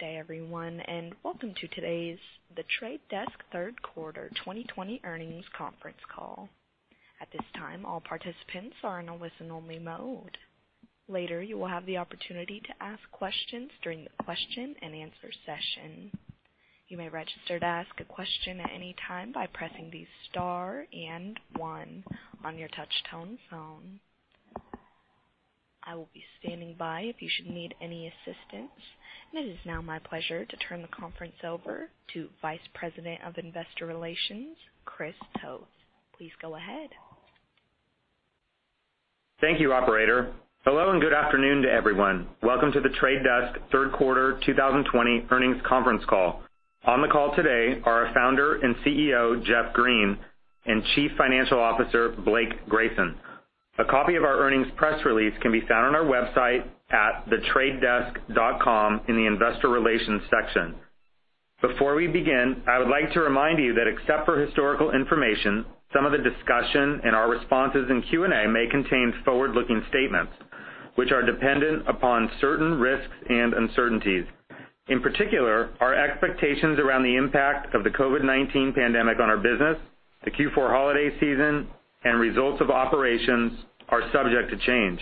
Good day, everyone, welcome to today's The Trade Desk third quarter 2020 earnings conference call. At this time, all participants are in a listen-only mode. Later you'll have the opportunity to ask questions during the question and answer session. You may register to ask a question at any time by pressing the star and one on your touchtone phone. I'll be standing by if you need any assistance. It is now my pleasure to turn the conference over to Vice President of Investor Relations, Chris Toth. Please go ahead. Thank you, Operator. Hello, and good afternoon to everyone. Welcome to The Trade Desk third quarter 2020 earnings conference call. On the call today are our Founder and CEO, Jeff Green, and Chief Financial Officer, Blake Grayson. A copy of our earnings press release can be found on our website at thetradedesk.com in the investor relations section. Before we begin, I would like to remind you that except for historical information, some of the discussion and our responses in Q&A may contain forward-looking statements, which are dependent upon certain risks and uncertainties. In particular, our expectations around the impact of the COVID-19 pandemic on our business, the Q4 holiday season, and results of operations are subject to change.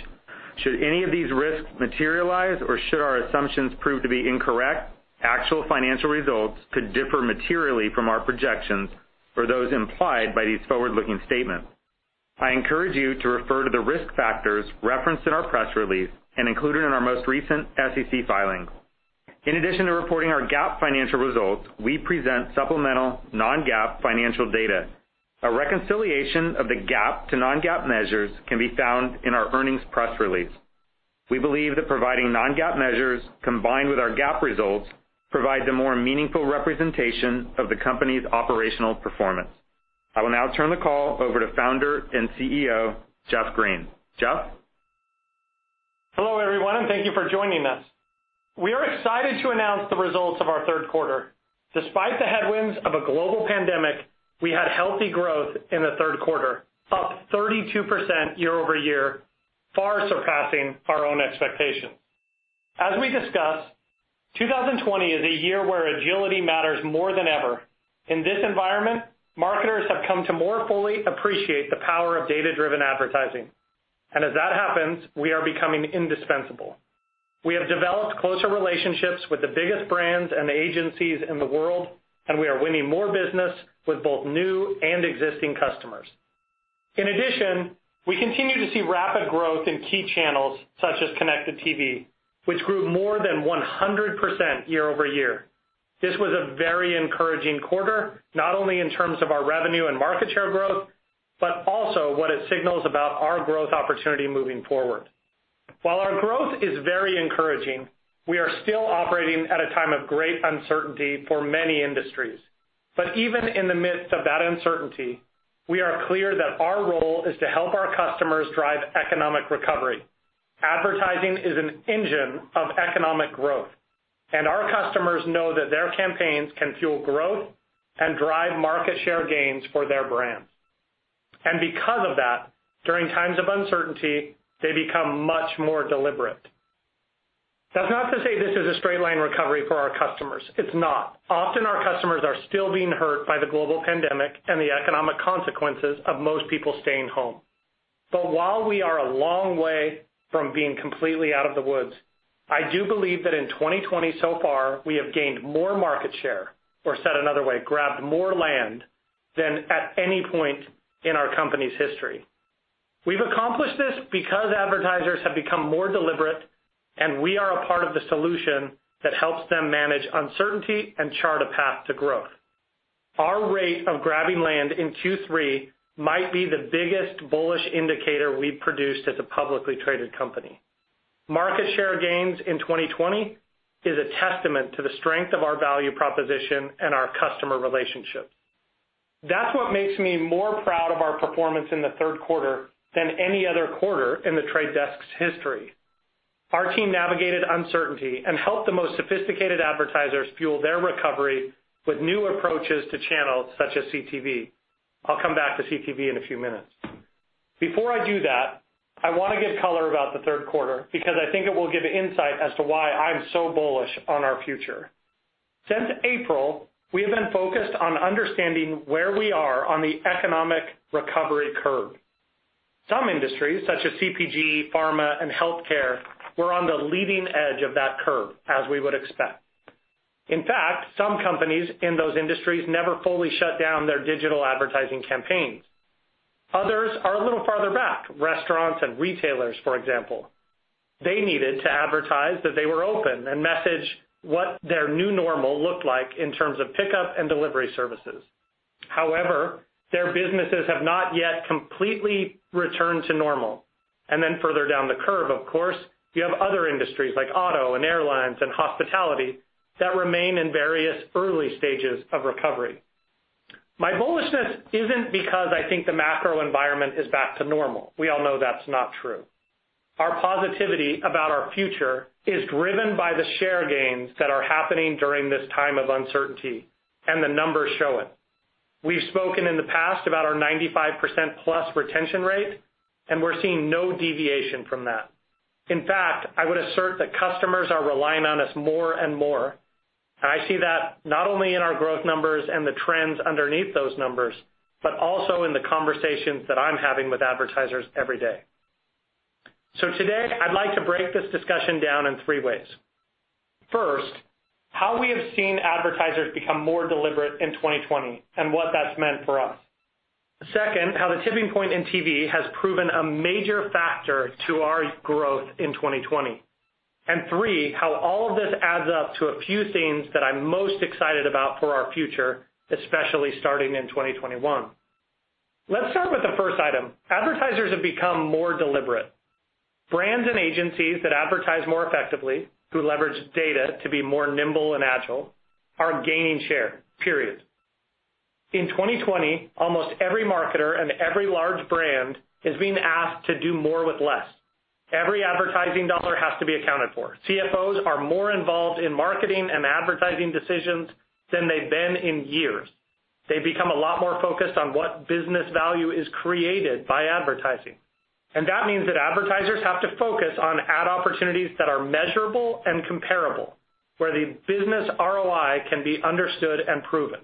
Should any of these risks materialize or should our assumptions prove to be incorrect, actual financial results could differ materially from our projections or those implied by these forward-looking statements. I encourage you to refer to the risk factors referenced in our press release and included in our most recent SEC filing. In addition to reporting our GAAP financial results, we present supplemental non-GAAP financial data. A reconciliation of the GAAP to non-GAAP measures can be found in our earnings press release. We believe that providing non-GAAP measures combined with our GAAP results provide the more meaningful representation of the company's operational performance. I will now turn the call over to Founder and CEO, Jeff Green. Jeff? Hello, everyone, and thank you for joining us. We are excited to announce the results of our third quarter. Despite the headwinds of a global pandemic, we had healthy growth in the third quarter, up 32% year-over-year, far surpassing our own expectations. As we discussed, 2020 is a year where agility matters more than ever. In this environment, marketers have come to more fully appreciate the power of data-driven advertising. As that happens, we are becoming indispensable. We have developed closer relationships with the biggest brands and agencies in the world, and we are winning more business with both new and existing customers. In addition, we continue to see rapid growth in key channels such as connected TV, which grew more than 100% year-over-year. This was a very encouraging quarter, not only in terms of our revenue and market share growth, but also what it signals about our growth opportunity moving forward. While our growth is very encouraging, we are still operating at a time of great uncertainty for many industries. Even in the midst of that uncertainty, we are clear that our role is to help our customers drive economic recovery. Advertising is an engine of economic growth, our customers know that their campaigns can fuel growth and drive market share gains for their brands. Because of that, during times of uncertainty, they become much more deliberate. That's not to say this is a straight line recovery for our customers. It's not. Often, our customers are still being hurt by the global pandemic and the economic consequences of most people staying home. While we are a long way from being completely out of the woods, I do believe that in 2020 so far, we have gained more market share, or said another way, grabbed more land than at any point in our company's history. We've accomplished this because advertisers have become more deliberate, and we are a part of the solution that helps them manage uncertainty and chart a path to growth. Our rate of grabbing land in Q3 might be the biggest bullish indicator we've produced as a publicly traded company. Market share gains in 2020 is a testament to the strength of our value proposition and our customer relationships. That's what makes me more proud of our performance in the third quarter than any other quarter in The Trade Desk's history. Our team navigated uncertainty and helped the most sophisticated advertisers fuel their recovery with new approaches to channels such as CTV. I'll come back to CTV in a few minutes. Before I do that, I want to give color about the third quarter because I think it will give insight as to why I'm so bullish on our future. Since April, we have been focused on understanding where we are on the economic recovery curve. Some industries, such as CPG, pharma, and healthcare, were on the leading edge of that curve, as we would expect. In fact, some companies in those industries never fully shut down their digital advertising campaigns. Others are a little farther back, restaurants and retailers, for example. They needed to advertise that they were open and message what their new normal looked like in terms of pickup and delivery services. However, their businesses have not yet completely returned to normal. Further down the curve, of course, you have other industries like auto and airlines and hospitality that remain in various early stages of recovery. My bullishness isn't because I think the macro environment is back to normal. We all know that's not true. Our positivity about our future is driven by the share gains that are happening during this time of uncertainty, and the numbers show it. We've spoken in the past about our 95%+ retention rate, and we're seeing no deviation from that. In fact, I would assert that customers are relying on us more and more. I see that not only in our growth numbers and the trends underneath those numbers, but also in the conversations that I'm having with advertisers every day. Today, I'd like to break this discussion down in three ways. First, how we have seen advertisers become more deliberate in 2020 and what that's meant for us. Second, how the tipping point in TV has proven a major factor to our growth in 2020. Three, how all of this adds up to a few themes that I'm most excited about for our future, especially starting in 2021. Let's start with the first item. Advertisers have become more deliberate. Brands and agencies that advertise more effectively, who leverage data to be more nimble and agile, are gaining share, period. In 2020, almost every marketer and every large brand is being asked to do more with less. Every advertising dollar has to be accounted for. CFOs are more involved in marketing and advertising decisions than they've been in years. They've become a lot more focused on what business value is created by advertising. That means that advertisers have to focus on ad opportunities that are measurable and comparable, where the business ROI can be understood and proven.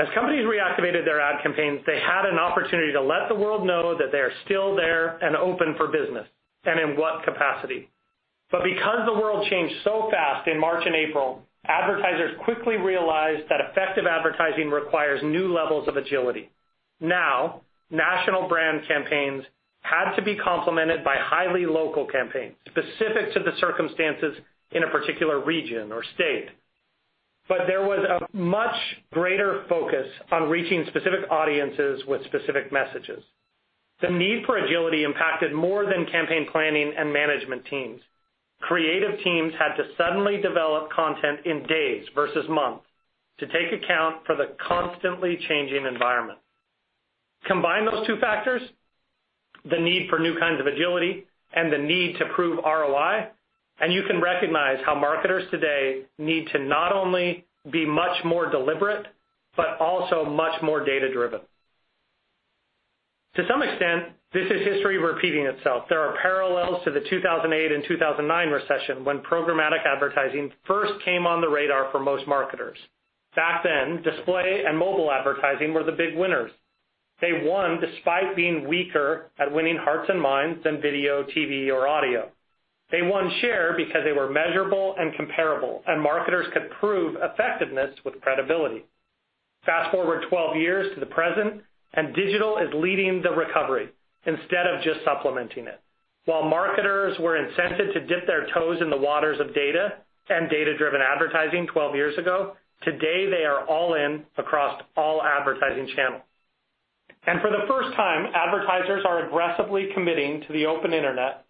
As companies reactivated their ad campaigns, they had an opportunity to let the world know that they are still there and open for business, and in what capacity. Because the world changed so fast in March and April, advertisers quickly realized that effective advertising requires new levels of agility. National brand campaigns had to be complemented by highly local campaigns specific to the circumstances in a particular region or state. There was a much greater focus on reaching specific audiences with specific messages. The need for agility impacted more than campaign planning and management teams. Creative teams had to suddenly develop content in days versus months to take account for the constantly changing environment. Combine those two factors, the need for new kinds of agility and the need to prove ROI, and you can recognize how marketers today need to not only be much more deliberate, but also much more data-driven. To some extent, this is history repeating itself. There are parallels to the 2008 and 2009 recession when programmatic advertising first came on the radar for most marketers. Back then, display and mobile advertising were the big winners. They won despite being weaker at winning hearts and minds than video, TV, or audio. They won share because they were measurable and comparable, and marketers could prove effectiveness with credibility. Fast-forward 12 years to the present, and digital is leading the recovery instead of just supplementing it. While marketers were incented to dip their toes in the waters of data and data-driven advertising 12 years ago, today, they are all in across all advertising channels. For the first time, advertisers are aggressively committing to the open internet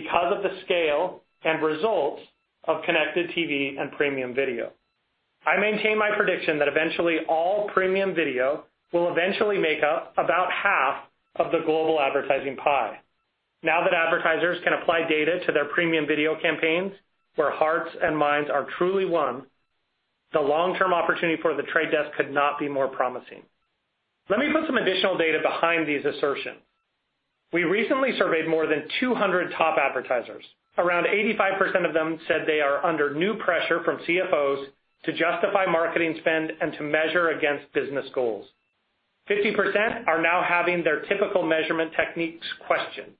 because of the scale and results of connected TV and premium video. I maintain my prediction that eventually all premium video will eventually make up about half of the global advertising pie. Now that advertisers can apply data to their premium video campaigns where hearts and minds are truly won, the long-term opportunity for The Trade Desk could not be more promising. Let me put some additional data behind these assertions. We recently surveyed more than 200 top advertisers. Around 85% of them said they are under new pressure from CFOs to justify marketing spend and to measure against business goals. 50% are now having their typical measurement techniques questioned.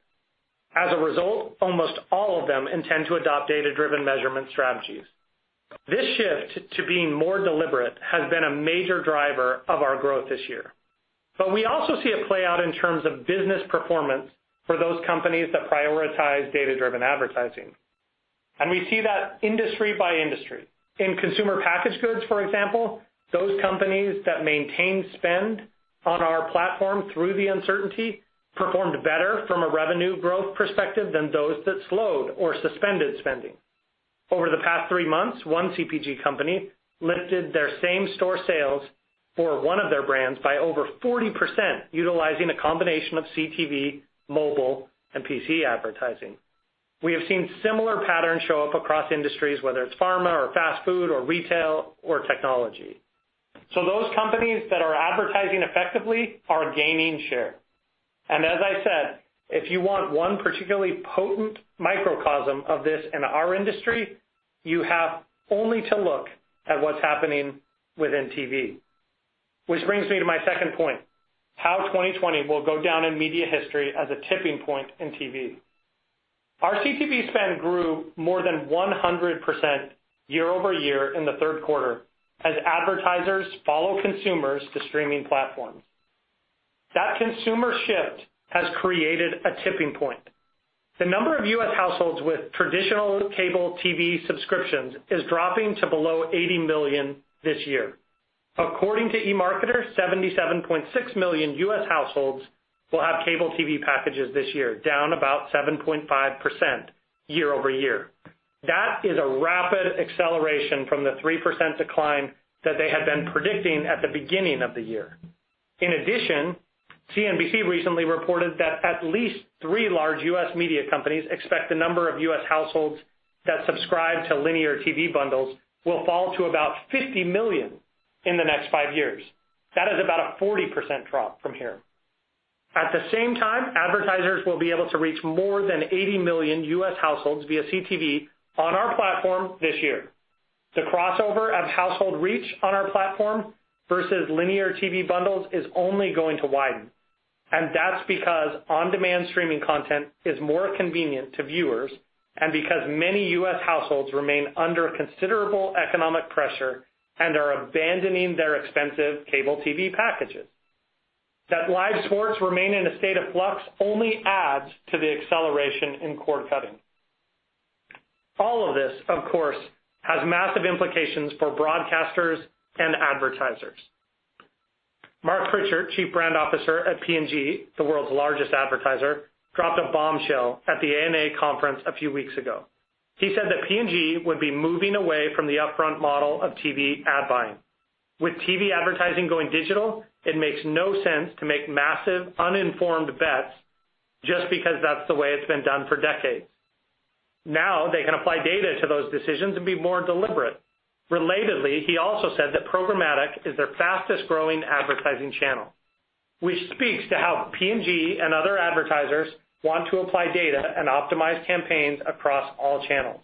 As a result, almost all of them intend to adopt data-driven measurement strategies. This shift to being more deliberate has been a major driver of our growth this year. We also see it play out in terms of business performance for those companies that prioritize data-driven advertising. We see that industry by industry. In consumer packaged goods, for example, those companies that maintain spend on our platform through the uncertainty performed better from a revenue growth perspective than those that slowed or suspended spending. Over the past three months, one CPG company lifted their same-store sales for one of their brands by over 40%, utilizing a combination of CTV, mobile, and PC advertising. We have seen similar patterns show up across industries, whether it's pharma or fast food or retail or technology. Those companies that are advertising effectively are gaining share. As I said, if you want one particularly potent microcosm of this in our industry, you have only to look at what's happening within TV. Which brings me to my second point, how 2020 will go down in media history as a tipping point in TV. Our CTV spend grew more than 100% year-over-year in the third quarter as advertisers follow consumers to streaming platforms. That consumer shift has created a tipping point. The number of U.S. households with traditional cable TV subscriptions is dropping to below 80 million this year. According to eMarketer, 77.6 million U.S. households will have cable TV packages this year, down about 7.5% year-over-year. That is a rapid acceleration from the 3% decline that they had been predicting at the beginning of the year. In addition, CNBC recently reported that at least three large U.S. media companies expect the number of U.S. households that subscribe to linear TV bundles will fall to about 50 million in the next five years. That is about a 40% drop from here. At the same time, advertisers will be able to reach more than 80 million U.S. households via CTV on our platform this year. The crossover of household reach on our platform versus linear TV bundles is only going to widen, and that's because on-demand streaming content is more convenient to viewers, and because many U.S. households remain under considerable economic pressure and are abandoning their expensive cable TV packages. That live sports remain in a state of flux only adds to the acceleration in cord-cutting. All of this, of course, has massive implications for broadcasters and advertisers. Marc Pritchard, Chief Brand Officer at P&G, the world's largest advertiser, dropped a bombshell at the ANA conference a few weeks ago. He said that P&G would be moving away from the upfront model of TV ad buying. With TV advertising going digital, it makes no sense to make massive, uninformed bets just because that's the way it's been done for decades. Now they can apply data to those decisions and be more deliberate. Relatedly, he also said that programmatic is their fastest-growing advertising channel, which speaks to how P&G and other advertisers want to apply data and optimize campaigns across all channels.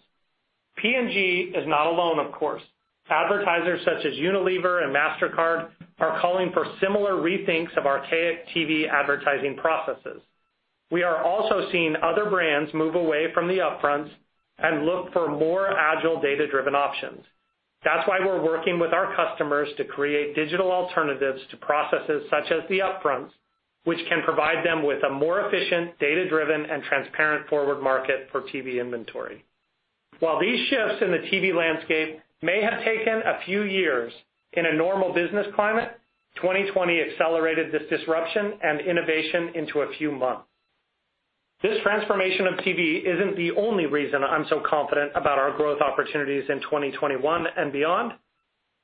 P&G is not alone, of course. Advertisers such as Unilever and Mastercard are calling for similar rethinks of archaic TV advertising processes. We are also seeing other brands move away from the upfronts and look for more agile, data-driven options. That's why we're working with our customers to create digital alternatives to processes such as the upfronts, which can provide them with a more efficient, data-driven, and transparent forward market for TV inventory. While these shifts in the TV landscape may have taken a few years in a normal business climate, 2020 accelerated this disruption and innovation into a few months. This transformation of TV isn't the only reason I'm so confident about our growth opportunities in 2021 and beyond.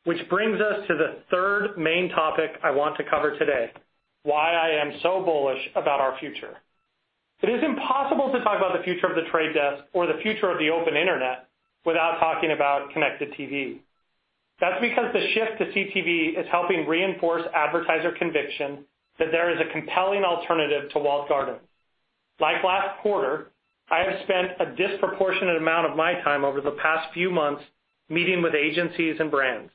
Which brings us to the third main topic I want to cover today, why I am so bullish about our future. It is impossible to talk about the future of The Trade Desk or the future of the open internet without talking about connected TV. That's because the shift to CTV is helping reinforce advertiser conviction that there is a compelling alternative to walled gardens. Like last quarter, I have spent a disproportionate amount of my time over the past few months meeting with agencies and brands.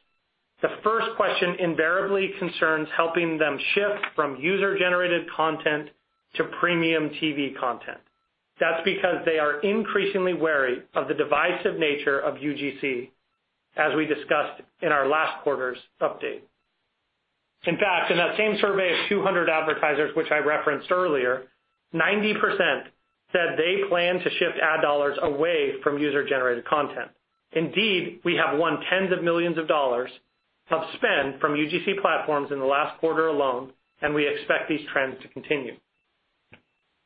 The first question invariably concerns helping them shift from user-generated content to premium TV content. That's because they are increasingly wary of the divisive nature of UGC, as we discussed in our last quarter's update. In that same survey of 200 advertisers which I referenced earlier, 90% said they plan to shift ad dollars away from user-generated content. We have won tens of millions of dollars of spend from UGC platforms in the last quarter alone, and we expect these trends to continue.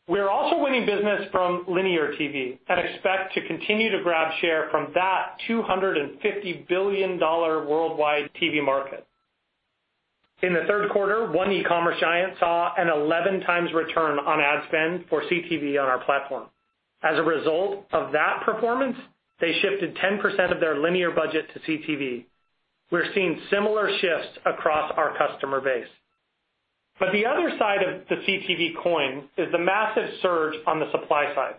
We are also winning business from linear TV and expect to continue to grab share from that $250 billion worldwide TV market. In the third quarter, one e-commerce giant saw an 11 times return on ad spend for CTV on our platform. As a result of that performance, they shifted 10% of their linear budget to CTV. We're seeing similar shifts across our customer base. The other side of the CTV coin is the massive surge on the supply side.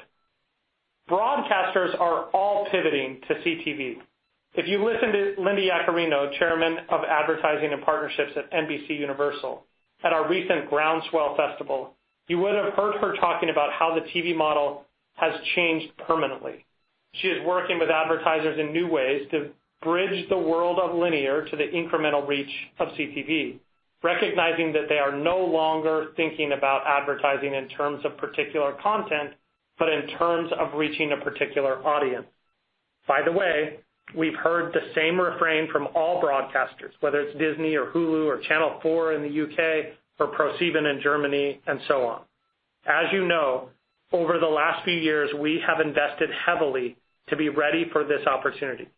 Broadcasters are all pivoting to CTV. If you listened to Linda Yaccarino, Chairman of Advertising and Partnerships at NBCUniversal, at our recent Groundswell Festival, you would have heard her talking about how the TV model has changed permanently. She is working with advertisers in new ways to bridge the world of linear to the incremental reach of CTV, recognizing that they are no longer thinking about advertising in terms of particular content, but in terms of reaching a particular audience. By the way, we've heard the same refrain from all broadcasters, whether it's Disney or Hulu or Channel 4 in the U.K., or ProSieben in Germany and so on. As you know, over the last few years, we have invested heavily to be ready for this opportunity.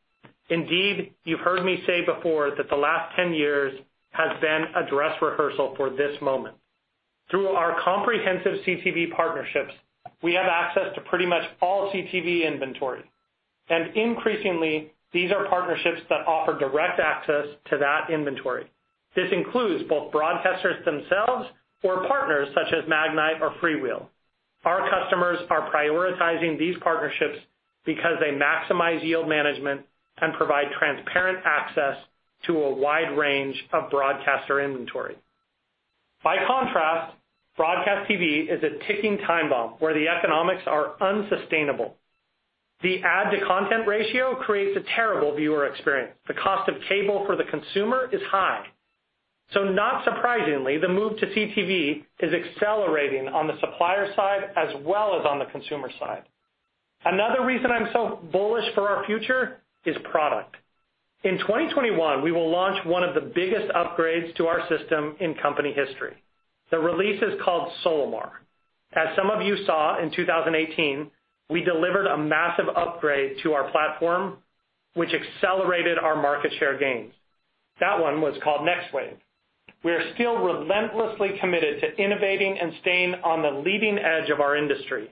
Indeed, you've heard me say before that the last 10 years has been a dress rehearsal for this moment. Through our comprehensive CTV partnerships, we have access to pretty much all CTV inventory. Increasingly, these are partnerships that offer direct access to that inventory. This includes both broadcasters themselves or partners such as Magnite or FreeWheel. Our customers are prioritizing these partnerships because they maximize yield management and provide transparent access to a wide range of broadcaster inventory. By contrast, broadcast TV is a ticking time bomb where the economics are unsustainable. The ad-to-content ratio creates a terrible viewer experience. The cost of cable for the consumer is high. Not surprisingly, the move to CTV is accelerating on the supplier side as well as on the consumer side. Another reason I'm so bullish for our future is product. In 2021, we will launch one of the biggest upgrades to our system in company history. The release is called Solimar. As some of you saw in 2018, we delivered a massive upgrade to our platform, which accelerated our market share gains. That one was called Next Wave. We are still relentlessly committed to innovating and staying on the leading edge of our industry.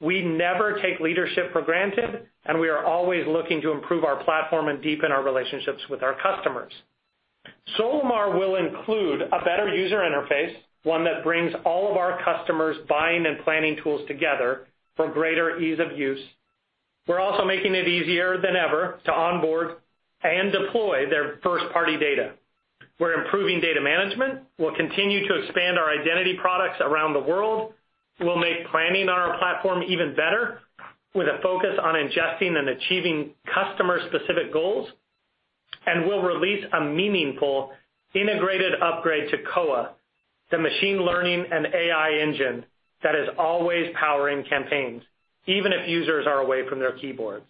We never take leadership for granted, we are always looking to improve our platform and deepen our relationships with our customers. Solimar will include a better user interface, one that brings all of our customers' buying and planning tools together for greater ease of use. We're also making it easier than ever to onboard and deploy their first-party data. We're improving data management. We'll continue to expand our identity products around the world. We'll make planning on our platform even better, with a focus on ingesting and achieving customer-specific goals. We'll release a meaningful integrated upgrade to Koa, the machine learning and AI engine that is always powering campaigns, even if users are away from their keyboards.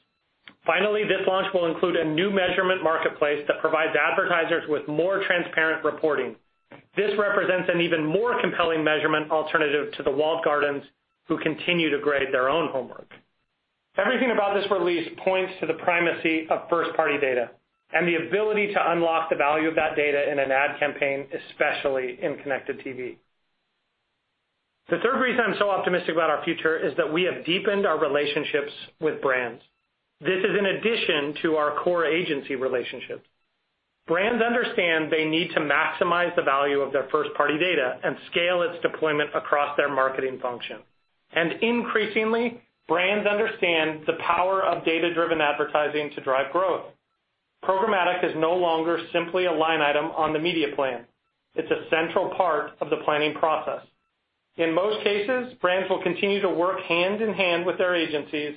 Finally, this launch will include a new measurement marketplace that provides advertisers with more transparent reporting. This represents an even more compelling measurement alternative to the walled gardens who continue to grade their own homework. Everything about this release points to the primacy of first-party data and the ability to unlock the value of that data in an ad campaign, especially in connected TV. The third reason I'm so optimistic about our future is that we have deepened our relationships with brands. This is in addition to our core agency relationships. Brands understand they need to maximize the value of their first-party data and scale its deployment across their marketing function. Increasingly, brands understand the power of data-driven advertising to drive growth. Programmatic is no longer simply a line item on the media plan. It's a central part of the planning process. In most cases, brands will continue to work hand-in-hand with their agencies,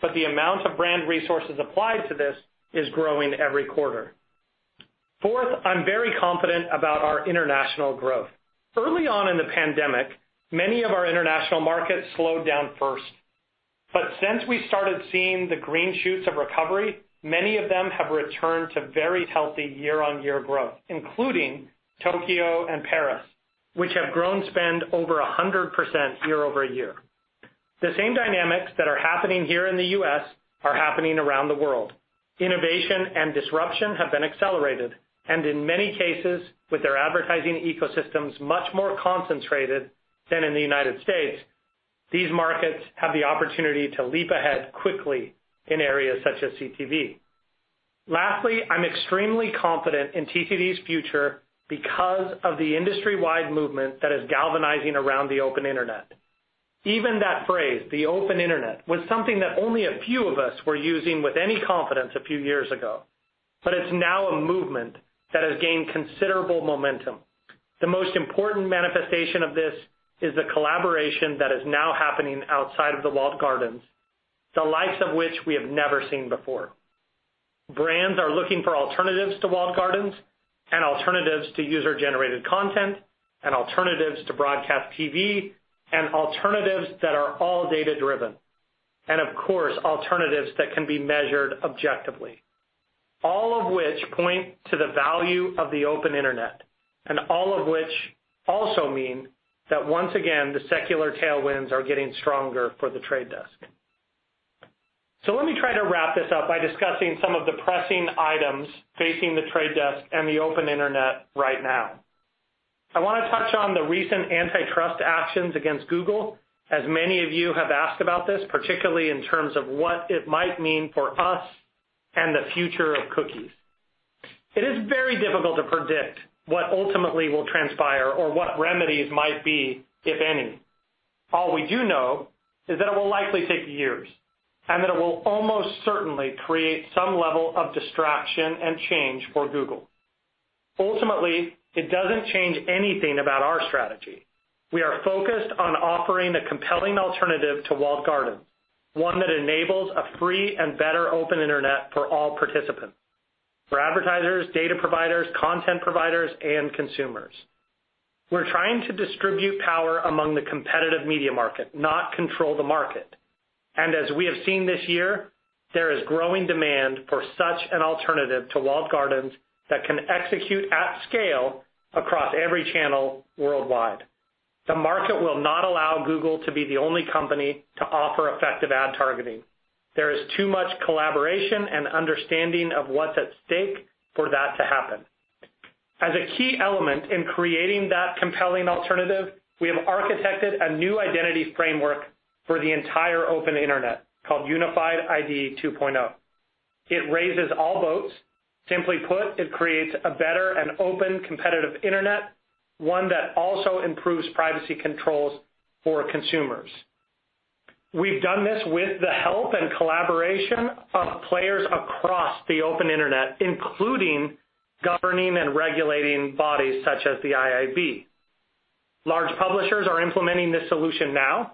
but the amount of brand resources applied to this is growing every quarter. Fourth, I'm very confident about our international growth. Early on in the pandemic, many of our international markets slowed down first. Since we started seeing the green shoots of recovery, many of them have returned to very healthy year-over-year growth, including Tokyo and Paris, which have grown spend over 100% year-over-year. The same dynamics that are happening here in the U.S. are happening around the world. Innovation and disruption have been accelerated, and in many cases, with their advertising ecosystems much more concentrated than in the United States, these markets have the opportunity to leap ahead quickly in areas such as CTV. Lastly, I'm extremely confident in TTD's future because of the industry-wide movement that is galvanizing around the open internet. Even that phrase, the open internet, was something that only a few of us were using with any confidence a few years ago, but it's now a movement that has gained considerable momentum. The most important manifestation of this is the collaboration that is now happening outside of the walled gardens, the likes of which we have never seen before. Brands are looking for alternatives to walled gardens, alternatives to user-generated content, alternatives to broadcast TV, and alternatives that are all data-driven. Of course, alternatives that can be measured objectively. All of which point to the value of the open internet, all of which also mean that once again, the secular tailwinds are getting stronger for The Trade Desk. Let me try to wrap this up by discussing some of the pressing items facing The Trade Desk and the open internet right now. I want to touch on the recent antitrust actions against Google, as many of you have asked about this, particularly in terms of what it might mean for us and the future of cookies. It is very difficult to predict what ultimately will transpire or what remedies might be, if any. All we do know is that it will likely take years, that it will almost certainly create some level of distraction and change for Google. Ultimately, it doesn't change anything about our strategy. We are focused on offering a compelling alternative to walled gardens, one that enables a free and better open internet for all participants. For advertisers, data providers, content providers, and consumers. We're trying to distribute power among the competitive media market, not control the market. As we have seen this year, there is growing demand for such an alternative to walled gardens that can execute at scale across every channel worldwide. The market will not allow Google to be the only company to offer effective ad targeting. There is too much collaboration and understanding of what's at stake for that to happen. As a key element in creating that compelling alternative, we have architected a new identity framework for the entire open internet called Unified ID 2.0. It raises all boats. Simply put, it creates a better and open competitive internet, one that also improves privacy controls for consumers. We've done this with the help and collaboration of players across the open internet, including governing and regulating bodies such as the IAB. Large publishers are implementing this solution now.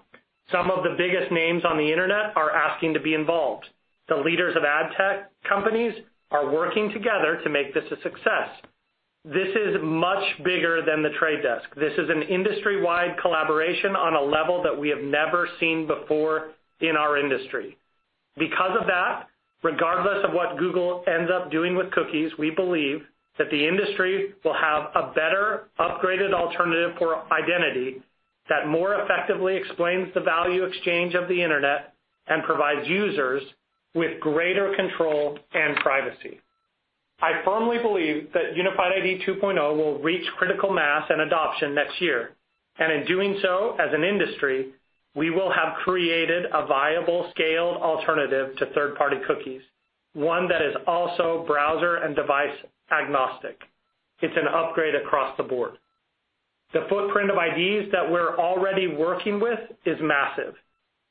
Some of the biggest names on the internet are asking to be involved. The leaders of ad tech companies are working together to make this a success. This is much bigger than The Trade Desk. This is an industry-wide collaboration on a level that we have never seen before in our industry. Because of that, regardless of what Google ends up doing with cookies, we believe that the industry will have a better, upgraded alternative for identity that more effectively explains the value exchange of the internet and provides users with greater control and privacy. I firmly believe that Unified ID 2.0 will reach critical mass and adoption next year. In doing so, as an industry, we will have created a viable scaled alternative to third-party cookies, one that is also browser and device agnostic. It's an upgrade across the board. The footprint of IDs that we're already working with is massive.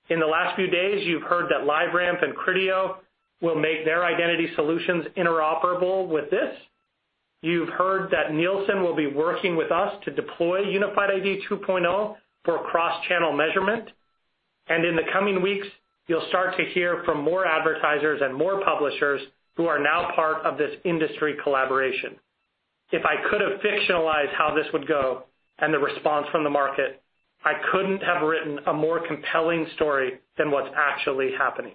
In the last few days, you've heard that LiveRamp and Criteo will make their identity solutions interoperable with this. You've heard that Nielsen will be working with us to deploy Unified ID 2.0 for cross-channel measurement. In the coming weeks, you'll start to hear from more advertisers and more publishers who are now part of this industry collaboration. If I could have fictionalized how this would go and the response from the market, I couldn't have written a more compelling story than what's actually happening.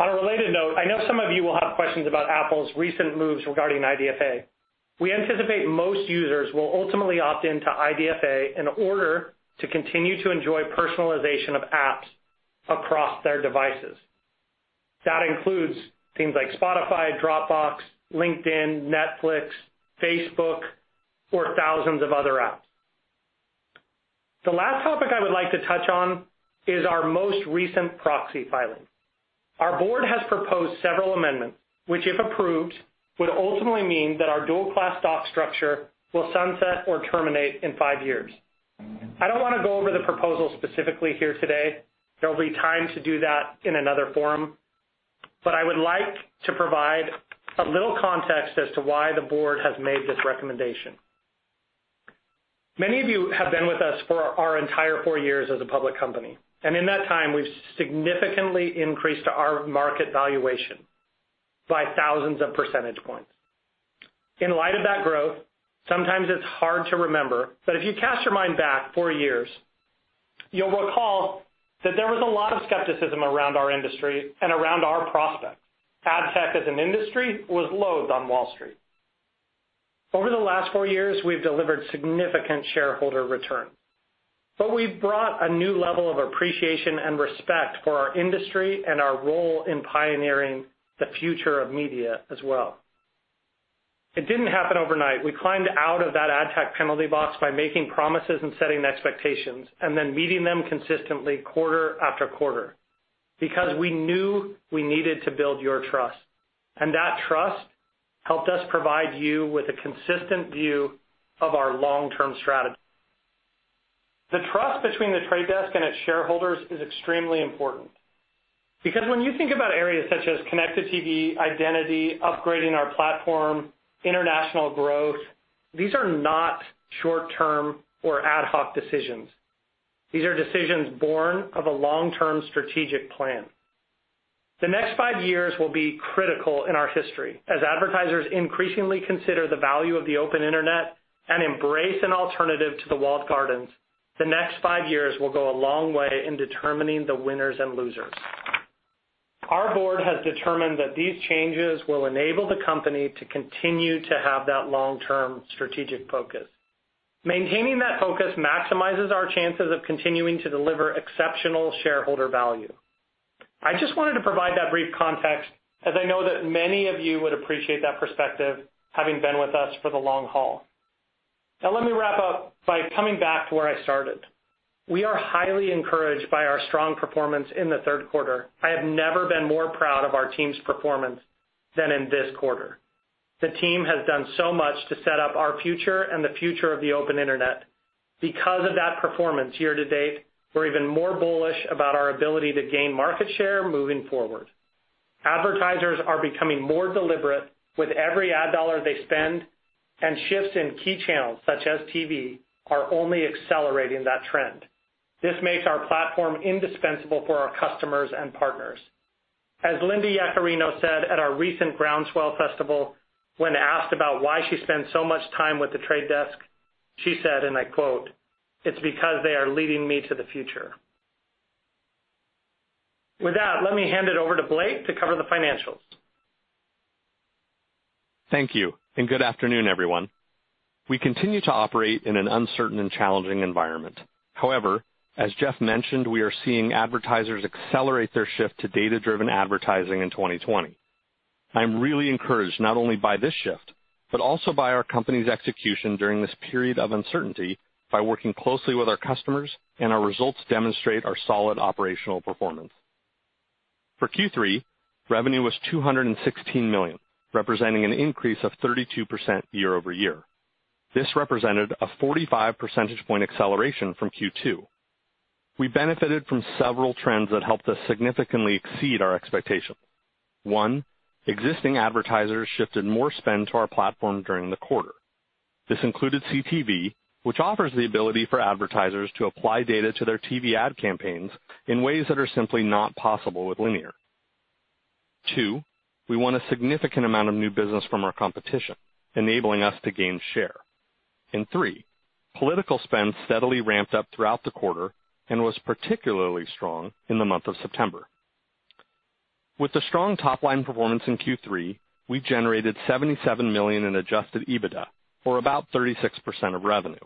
On a related note, I know some of you will have questions about Apple's recent moves regarding IDFA. We anticipate most users will ultimately opt in to IDFA in order to continue to enjoy personalization of apps across their devices. That includes things like Spotify, Dropbox, LinkedIn, Netflix, Facebook, or thousands of other apps. The last topic I would like to touch on is our most recent proxy filing. Our board has proposed several amendments, which, if approved, would ultimately mean that our dual class stock structure will sunset or terminate in five years. I don't wanna go over the proposal specifically here today. There'll be time to do that in another forum, but I would like to provide a little context as to why the board has made this recommendation. Many of you have been with us for our entire four years as a public company, and in that time, we've significantly increased our market valuation by thousands of percentage points. In light of that growth, sometimes it's hard to remember, but if you cast your mind back four years, you'll recall that there was a lot of skepticism around our industry and around our prospects. Ad tech as an industry was loathed on Wall Street. Over the last four years, we've delivered significant shareholder return, but we've brought a new level of appreciation and respect for our industry and our role in pioneering the future of media as well. It didn't happen overnight. We climbed out of that ad tech penalty box by making promises and setting expectations, and then meeting them consistently quarter after quarter, because we knew we needed to build your trust, and that trust helped us provide you with a consistent view of our long-term strategy. The trust between The Trade Desk and its shareholders is extremely important, because when you think about areas such as connected TV, identity, upgrading our platform, international growth, these are not short-term or ad hoc decisions. These are decisions born of a long-term strategic plan. The next five years will be critical in our history as advertisers increasingly consider the value of the open internet and embrace an alternative to the walled gardens. The next five years will go a long way in determining the winners and losers. Our board has determined that these changes will enable the company to continue to have that long-term strategic focus. Maintaining that focus maximizes our chances of continuing to deliver exceptional shareholder value. I just wanted to provide that brief context, as I know that many of you would appreciate that perspective, having been with us for the long haul. Now, let me wrap up by coming back to where I started. We are highly encouraged by our strong performance in the third quarter. I have never been more proud of our team's performance than in this quarter. The team has done so much to set up our future and the future of the open internet. Because of that performance year to date, we're even more bullish about our ability to gain market share moving forward. Advertisers are becoming more deliberate with every ad dollar they spend. Shifts in key channels such as TV are only accelerating that trend. This makes our platform indispensable for our customers and partners. As Linda Yaccarino said at our recent Groundswell Festival when asked about why she spends so much time with The Trade Desk, she said, and I quote, "It's because they are leading me to the future." With that, let me hand it over to Blake to cover the financials. Thank you, and good afternoon, everyone. We continue to operate in an uncertain and challenging environment. As Jeff mentioned, we are seeing advertisers accelerate their shift to data-driven advertising in 2020. I'm really encouraged not only by this shift, but also by our company's execution during this period of uncertainty by working closely with our customers. Our results demonstrate our solid operational performance. For Q3, revenue was $216 million, representing an an increase of 32% year-over-year. This represented a 45 percentage point acceleration from Q2. We benefited from several trends that helped us significantly exceed our expectations. One, existing advertisers shifted more spend to our platform during the quarter. This included CTV, which offers the ability for advertisers to apply data to their TV ad campaigns in ways that are simply not possible with linear. Two, we won a significant amount of new business from our competition, enabling us to gain share. Three, political spend steadily ramped up throughout the quarter and was particularly strong in the month of September. With the strong top-line performance in Q3, we generated $77 million in adjusted EBITDA, or about 36% of revenue.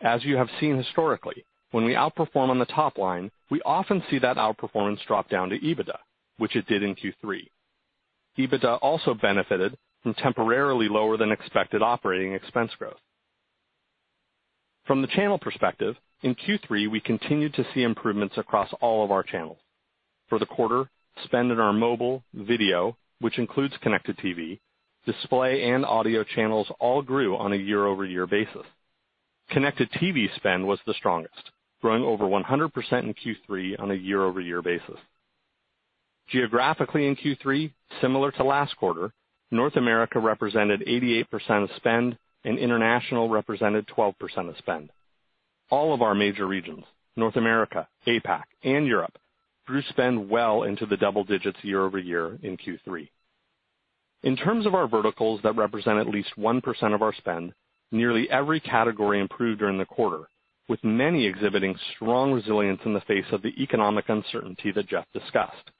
As you have seen historically, when we outperform on the top line, we often see that outperformance drop down to EBITDA, which it did in Q3. EBITDA also benefited from temporarily lower than expected operating expense growth. From the channel perspective, in Q3, we continued to see improvements across all of our channels. For the quarter, spend in our mobile video, which includes connected TV, display, and audio channels all grew on a year-over-year basis. Connected TV spend was the strongest, growing over 100% in Q3 on a year-over-year basis. Geographically in Q3, similar to last quarter, North America represented 88% of spend and international represented 12% of spend. All of our major regions, North America, APAC, and Europe, grew spend well into the double digits year-over-year in Q3. In terms of our verticals that represent at least 1% of our spend, nearly every category improved during the quarter, with many exhibiting strong resilience in the face of the economic uncertainty that Jeff discussed.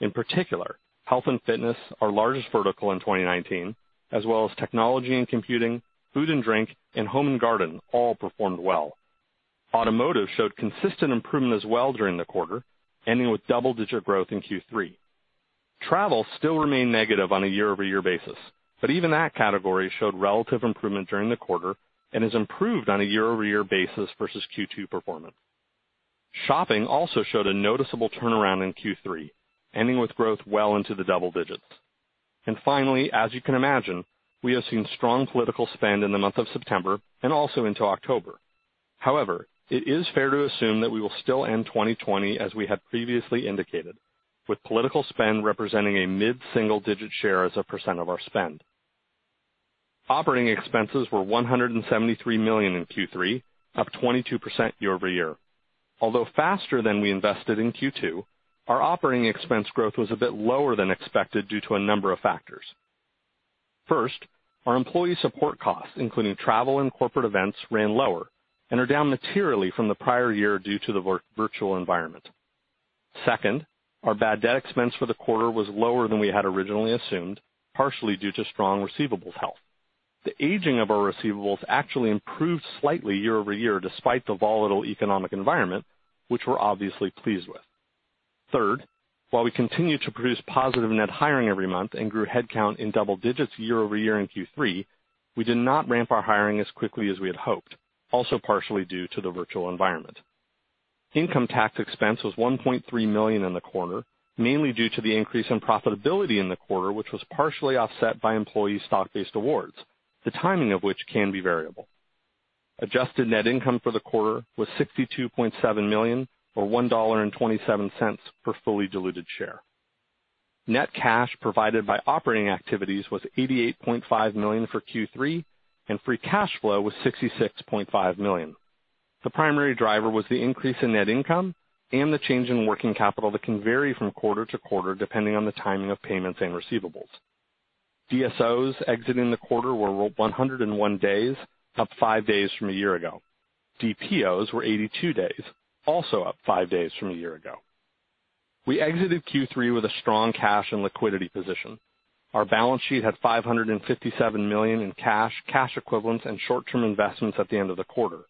In particular, health and fitness, our largest vertical in 2019, as well as technology and computing, food and drink, and home and garden all performed well. Automotive showed consistent improvement as well during the quarter, ending with double-digit growth in Q3. Travel still remained negative on a year-over-year basis, but even that category showed relative improvement during the quarter and has improved on a year-over-year basis versus Q2 performance. Shopping also showed a noticeable turnaround in Q3, ending with growth well into the double digits. Finally, as you can imagine, we have seen strong political spend in the month of September and also into October. However, it is fair to assume that we will still end 2020 as we had previously indicated, with political spend representing a mid-single digit share as a percent of our spend. Operating expenses were $173 million in Q3, up 22% year-over-year. Although faster than we invested in Q2, our operating expense growth was a bit lower than expected due to a number of factors. First, our employee support costs, including travel and corporate events, ran lower and are down materially from the prior year due to the virtual environment. Second, our bad debt expense for the quarter was lower than we had originally assumed, partially due to strong receivables health. The aging of our receivables actually improved slightly year-over-year despite the volatile economic environment, which we're obviously pleased with. Third, while we continue to produce positive net hiring every month and grew headcount in double digits year-over-year in Q3, we did not ramp our hiring as quickly as we had hoped, also partially due to the virtual environment. Income tax expense was $1.3 million in the quarter, mainly due to the increase in profitability in the quarter, which was partially offset by employee stock-based awards, the timing of which can be variable. Adjusted net income for the quarter was $62.7 million or $1.27 per fully diluted share. Net cash provided by operating activities was $88.5 million for Q3, and free cash flow was $66.5 million. The primary driver was the increase in net income and the change in working capital that can vary from quarter to quarter depending on the timing of payments and receivables. DSOs exiting the quarter were 101 days, up five days from a year ago. DPOs were 82 days, also up five days from a year ago. We exited Q3 with a strong cash and liquidity position. Our balance sheet had $557 million in cash equivalents, and short-term investments at the end of the quarter.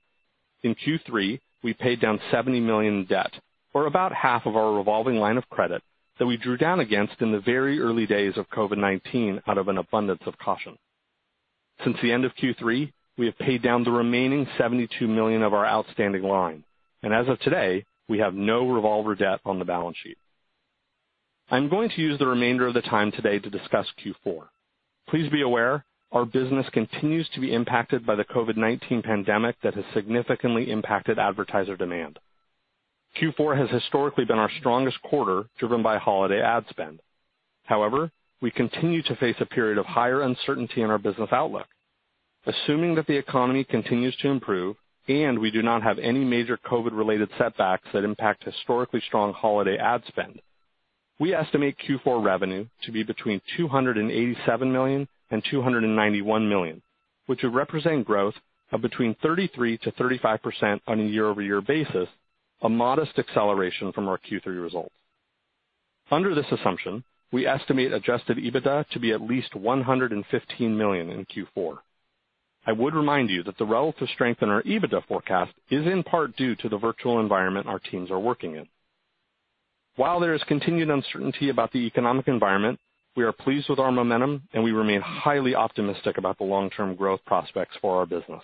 In Q3, we paid down $70 million in debt, or about half of our revolving line of credit that we drew down against in the very early days of COVID-19 out of an abundance of caution. Since the end of Q3, we have paid down the remaining $72 million of our outstanding line. As of today, we have no revolver debt on the balance sheet. I'm going to use the remainder of the time today to discuss Q4. Please be aware, our business continues to be impacted by the COVID-19 pandemic that has significantly impacted advertiser demand. Q4 has historically been our strongest quarter, driven by holiday ad spend. However, we continue to face a period of higher uncertainty in our business outlook. Assuming that the economy continues to improve and we do not have any major COVID-related setbacks that impact historically strong holiday ad spend, we estimate Q4 revenue to be between $287 million and $291 million, which would represent growth of between 33%-35% on a year-over-year basis, a modest acceleration from our Q3 results. Under this assumption, we estimate adjusted EBITDA to be at least $115 million in Q4. I would remind you that the relative strength in our EBITDA forecast is in part due to the virtual environment our teams are working in. While there is continued uncertainty about the economic environment, we are pleased with our momentum, and we remain highly optimistic about the long-term growth prospects for our business.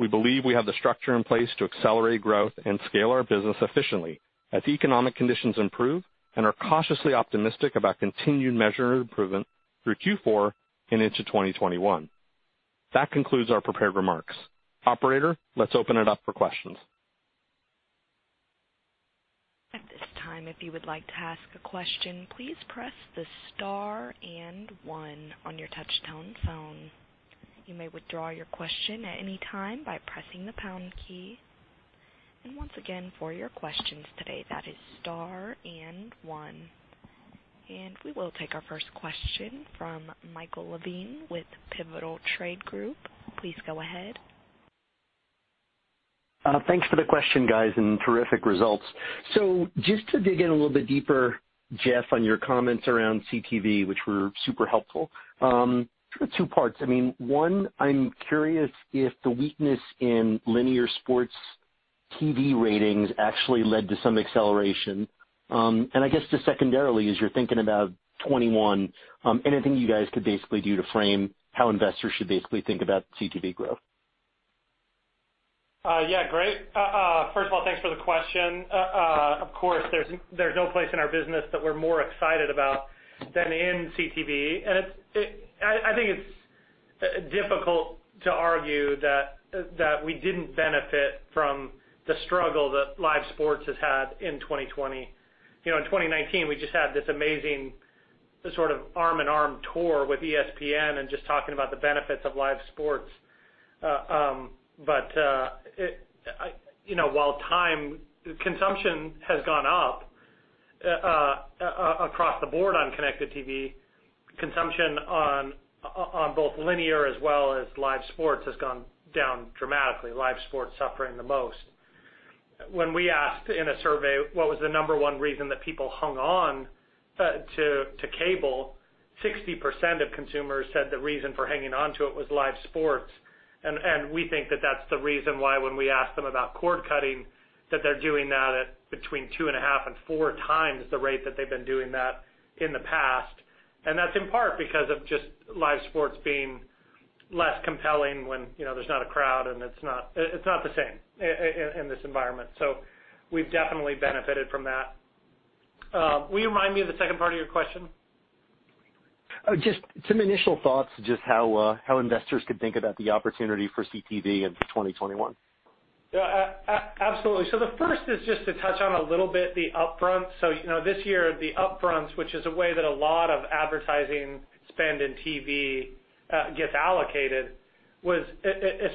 We believe we have the structure in place to accelerate growth and scale our business efficiently as economic conditions improve and are cautiously optimistic about continued measured improvement through Q4 and into 2021. That concludes our prepared remarks. Operator, let's open it up for questions. At this time, if you would like to ask a question, please press the star and one on your touch-tone phone. You may withdraw your question at any time by pressing the pound key. Once again, for your questions today, that is star and one. We will take our first question from Michael Levine with Pivotal Research Group. Please go ahead. Thanks for the question, guys, terrific results. Just to dig in a little bit deeper, Jeff, on your comments around CTV, which were super helpful. Two parts. One, I'm curious if the weakness in linear sports TV ratings actually led to some acceleration. I guess just secondarily, as you're thinking about 2021, anything you guys could basically do to frame how investors should basically think about CTV growth? Yeah. Great. First of all, thanks for the question. Of course, there's no place in our business that we're more excited about than in CTV. I think it's difficult to argue that we didn't benefit from the struggle that live sports has had in 2020. In 2019, we just had this amazing sort of arm-in-arm tour with ESPN and just talking about the benefits of live sports. While time consumption has gone up across the board on connected TV, consumption on both linear as well as live sports has gone down dramatically. Live sports suffering the most. When we asked in a survey what was the number one reason that people hung on to cable, 60% of consumers said the reason for hanging on to it was live sports. We think that that's the reason why when we ask them about cord cutting, that they're doing that at between two and a half and four times the rate that they've been doing that in the past. That's in part because of just live sports being less compelling when there's not a crowd, and it's not the same in this environment. We've definitely benefited from that. Will you remind me of the second part of your question? Just some initial thoughts, just how investors could think about the opportunity for CTV into 2021. Yeah. Absolutely. The first is just to touch on a little bit the upfront. This year, the upfronts, which is a way that a lot of advertising spend in TV gets allocated, was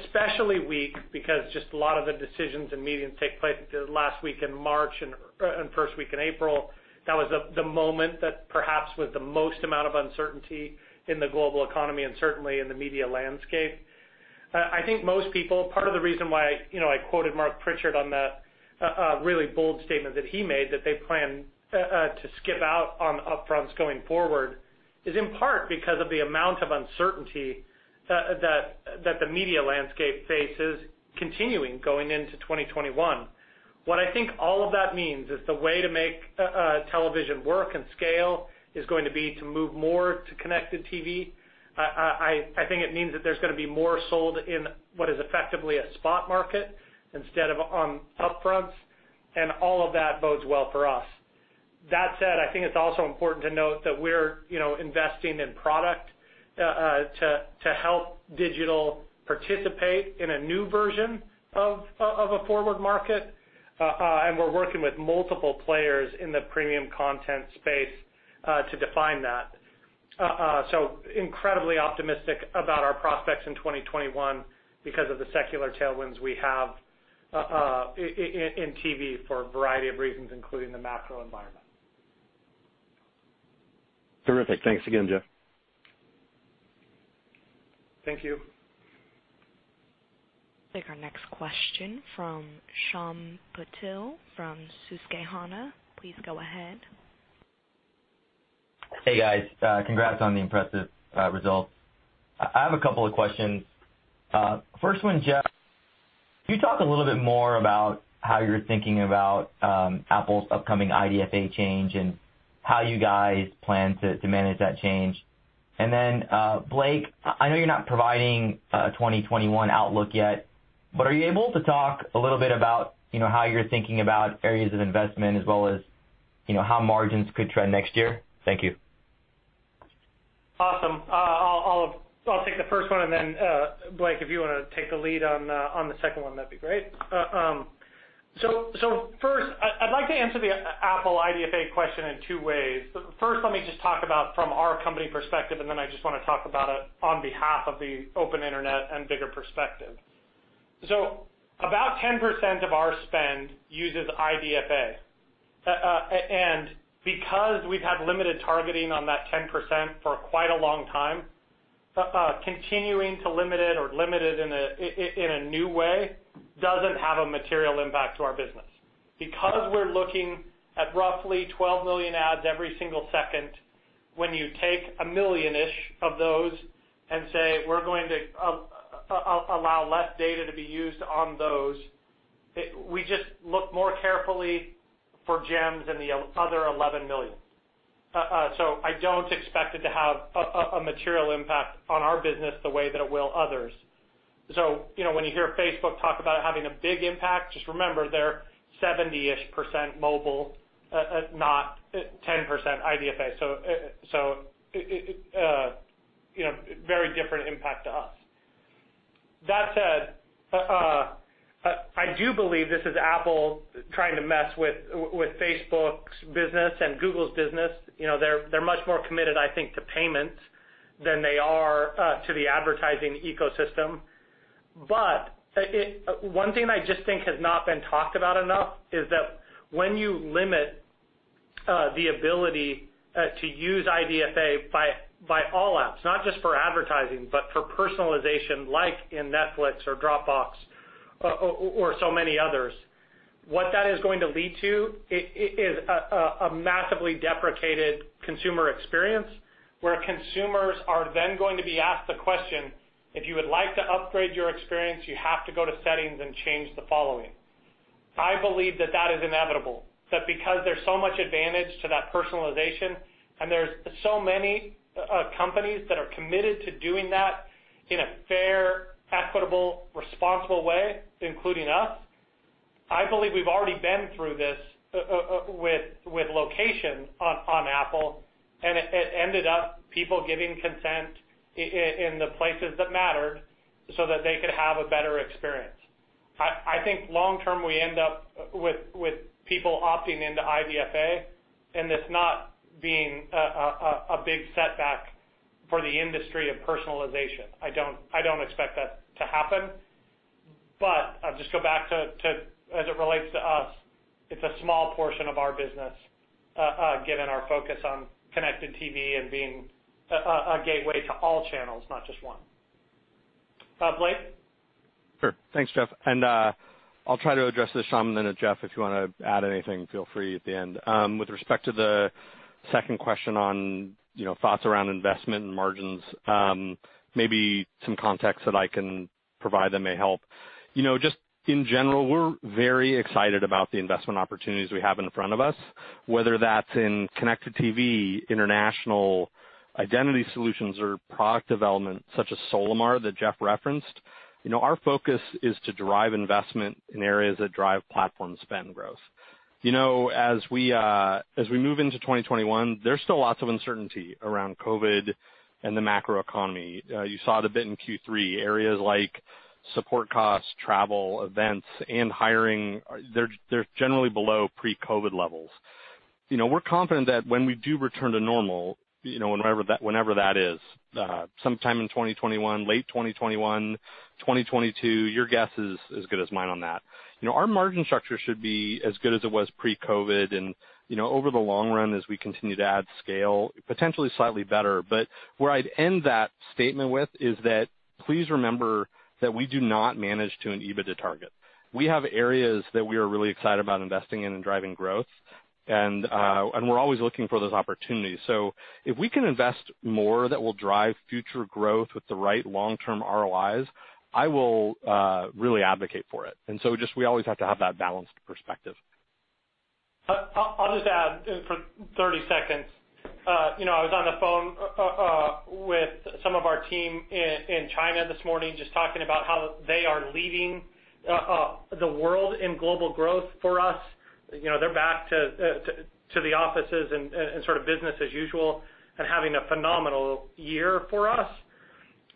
especially weak because just a lot of the decisions and meetings take place last week in March and first week in April. That was the moment that perhaps was the most amount of uncertainty in the global economy and certainly in the media landscape. I think most people, part of the reason why I quoted Marc Pritchard on that really bold statement that he made, that they plan to skip out on upfronts going forward, is in part because of the amount of uncertainty that the media landscape faces continuing going into 2021. What I think all of that means is the way to make television work and scale is going to be to move more to connected TV. I think it means that there's going to be more sold in what is effectively a spot market instead of on upfronts. All of that bodes well for us. That said, I think it's also important to note that we're investing in product to help digital participate in a new version of a forward market. We're working with multiple players in the premium content space to define that. Incredibly optimistic about our prospects in 2021 because of the secular tailwinds we have in TV for a variety of reasons, including the macro environment. Terrific. Thanks again, Jeff. Thank you. Take our next question from Shyam Patil from Susquehanna. Please go ahead. Hey, guys. Congrats on the impressive results. I have a couple of questions. First one, Jeff, can you talk a little bit more about how you're thinking about Apple's upcoming IDFA change and how you guys plan to manage that change? Blake, I know you're not providing a 2021 outlook yet, but are you able to talk a little bit about how you're thinking about areas of investment as well as how margins could trend next year? Thank you. Awesome. I'll take the first one, and then Blake, if you want to take the lead on the second one, that'd be great. First, I'd like to answer the Apple IDFA question in two ways. First, let me just talk about from our company perspective, and then I just want to talk about it on behalf of the open internet and bigger perspective. About 10% of our spend uses IDFA. Because we've had limited targeting on that 10% for quite a long time, continuing to limit it or limit it in a new way doesn't have a material impact to our business. Because we're looking at roughly 12 million ads every single second, when you take a million-ish of those and say, "We're going to allow less data to be used on those," we just look more carefully for gems in the other 11 million. I don't expect it to have a material impact on our business the way that it will others. When you hear Facebook talk about it having a big impact, just remember they're 70-ish% mobile, not 10% IDFA. Very different impact to us. That said, I do believe this is Apple trying to mess with Facebook's business and Google's business. They're much more committed, I think, to payments than they are to the advertising ecosystem. One thing that I just think has not been talked about enough is that when you limit the ability to use IDFA by all apps, not just for advertising, but for personalization, like in Netflix or Dropbox, or so many others. What that is going to lead to is a massively deprecated consumer experience, where consumers are then going to be asked the question, if you would like to upgrade your experience, you have to go to settings and change the following. I believe that that is inevitable. Because there's so much advantage to that personalization and there's so many companies that are committed to doing that in a fair, equitable, responsible way, including us. I believe we've already been through this with location on Apple, and it ended up people giving consent in the places that mattered so that they could have a better experience. I think long-term, we end up with people opting into IDFA and this not being a big setback for the industry of personalization. I don't expect that to happen. I'll just go back to, as it relates to us, it's a small portion of our business, given our focus on connected TV and being a gateway to all channels, not just one. Blake? Sure. Thanks, Jeff. I'll try to address this, Shyam, and then Jeff, if you want to add anything, feel free at the end. With respect to the second question on thoughts around investment and margins, maybe some context that I can provide that may help. Just in general, we're very excited about the investment opportunities we have in front of us, whether that's in connected TV, international identity solutions or product development such as Solimar that Jeff referenced. Our focus is to drive investment in areas that drive platform spend growth. As we move into 2021, there's still lots of uncertainty around COVID and the macroeconomy. You saw it a bit in Q3. Areas like support costs, travel, events, and hiring, they're generally below pre-COVID levels. We're confident that when we do return to normal, whenever that is, sometime in 2021, late 2021, 2022, your guess is as good as mine on that. Our margin structure should be as good as it was pre-COVID and, over the long run, as we continue to add scale, potentially slightly better. Where I'd end that statement with is that please remember that we do not manage to an EBITDA target. We have areas that we are really excited about investing in and driving growth and we're always looking for those opportunities. If we can invest more that will drive future growth with the right long-term ROIs, I will really advocate for it. Just we always have to have that balanced perspective. I'll just add for 30 seconds. I was on the phone with some of our team in China this morning just talking about how they are leading the world in global growth for us. They're back to the offices and sort of business as usual and having a phenomenal year for us.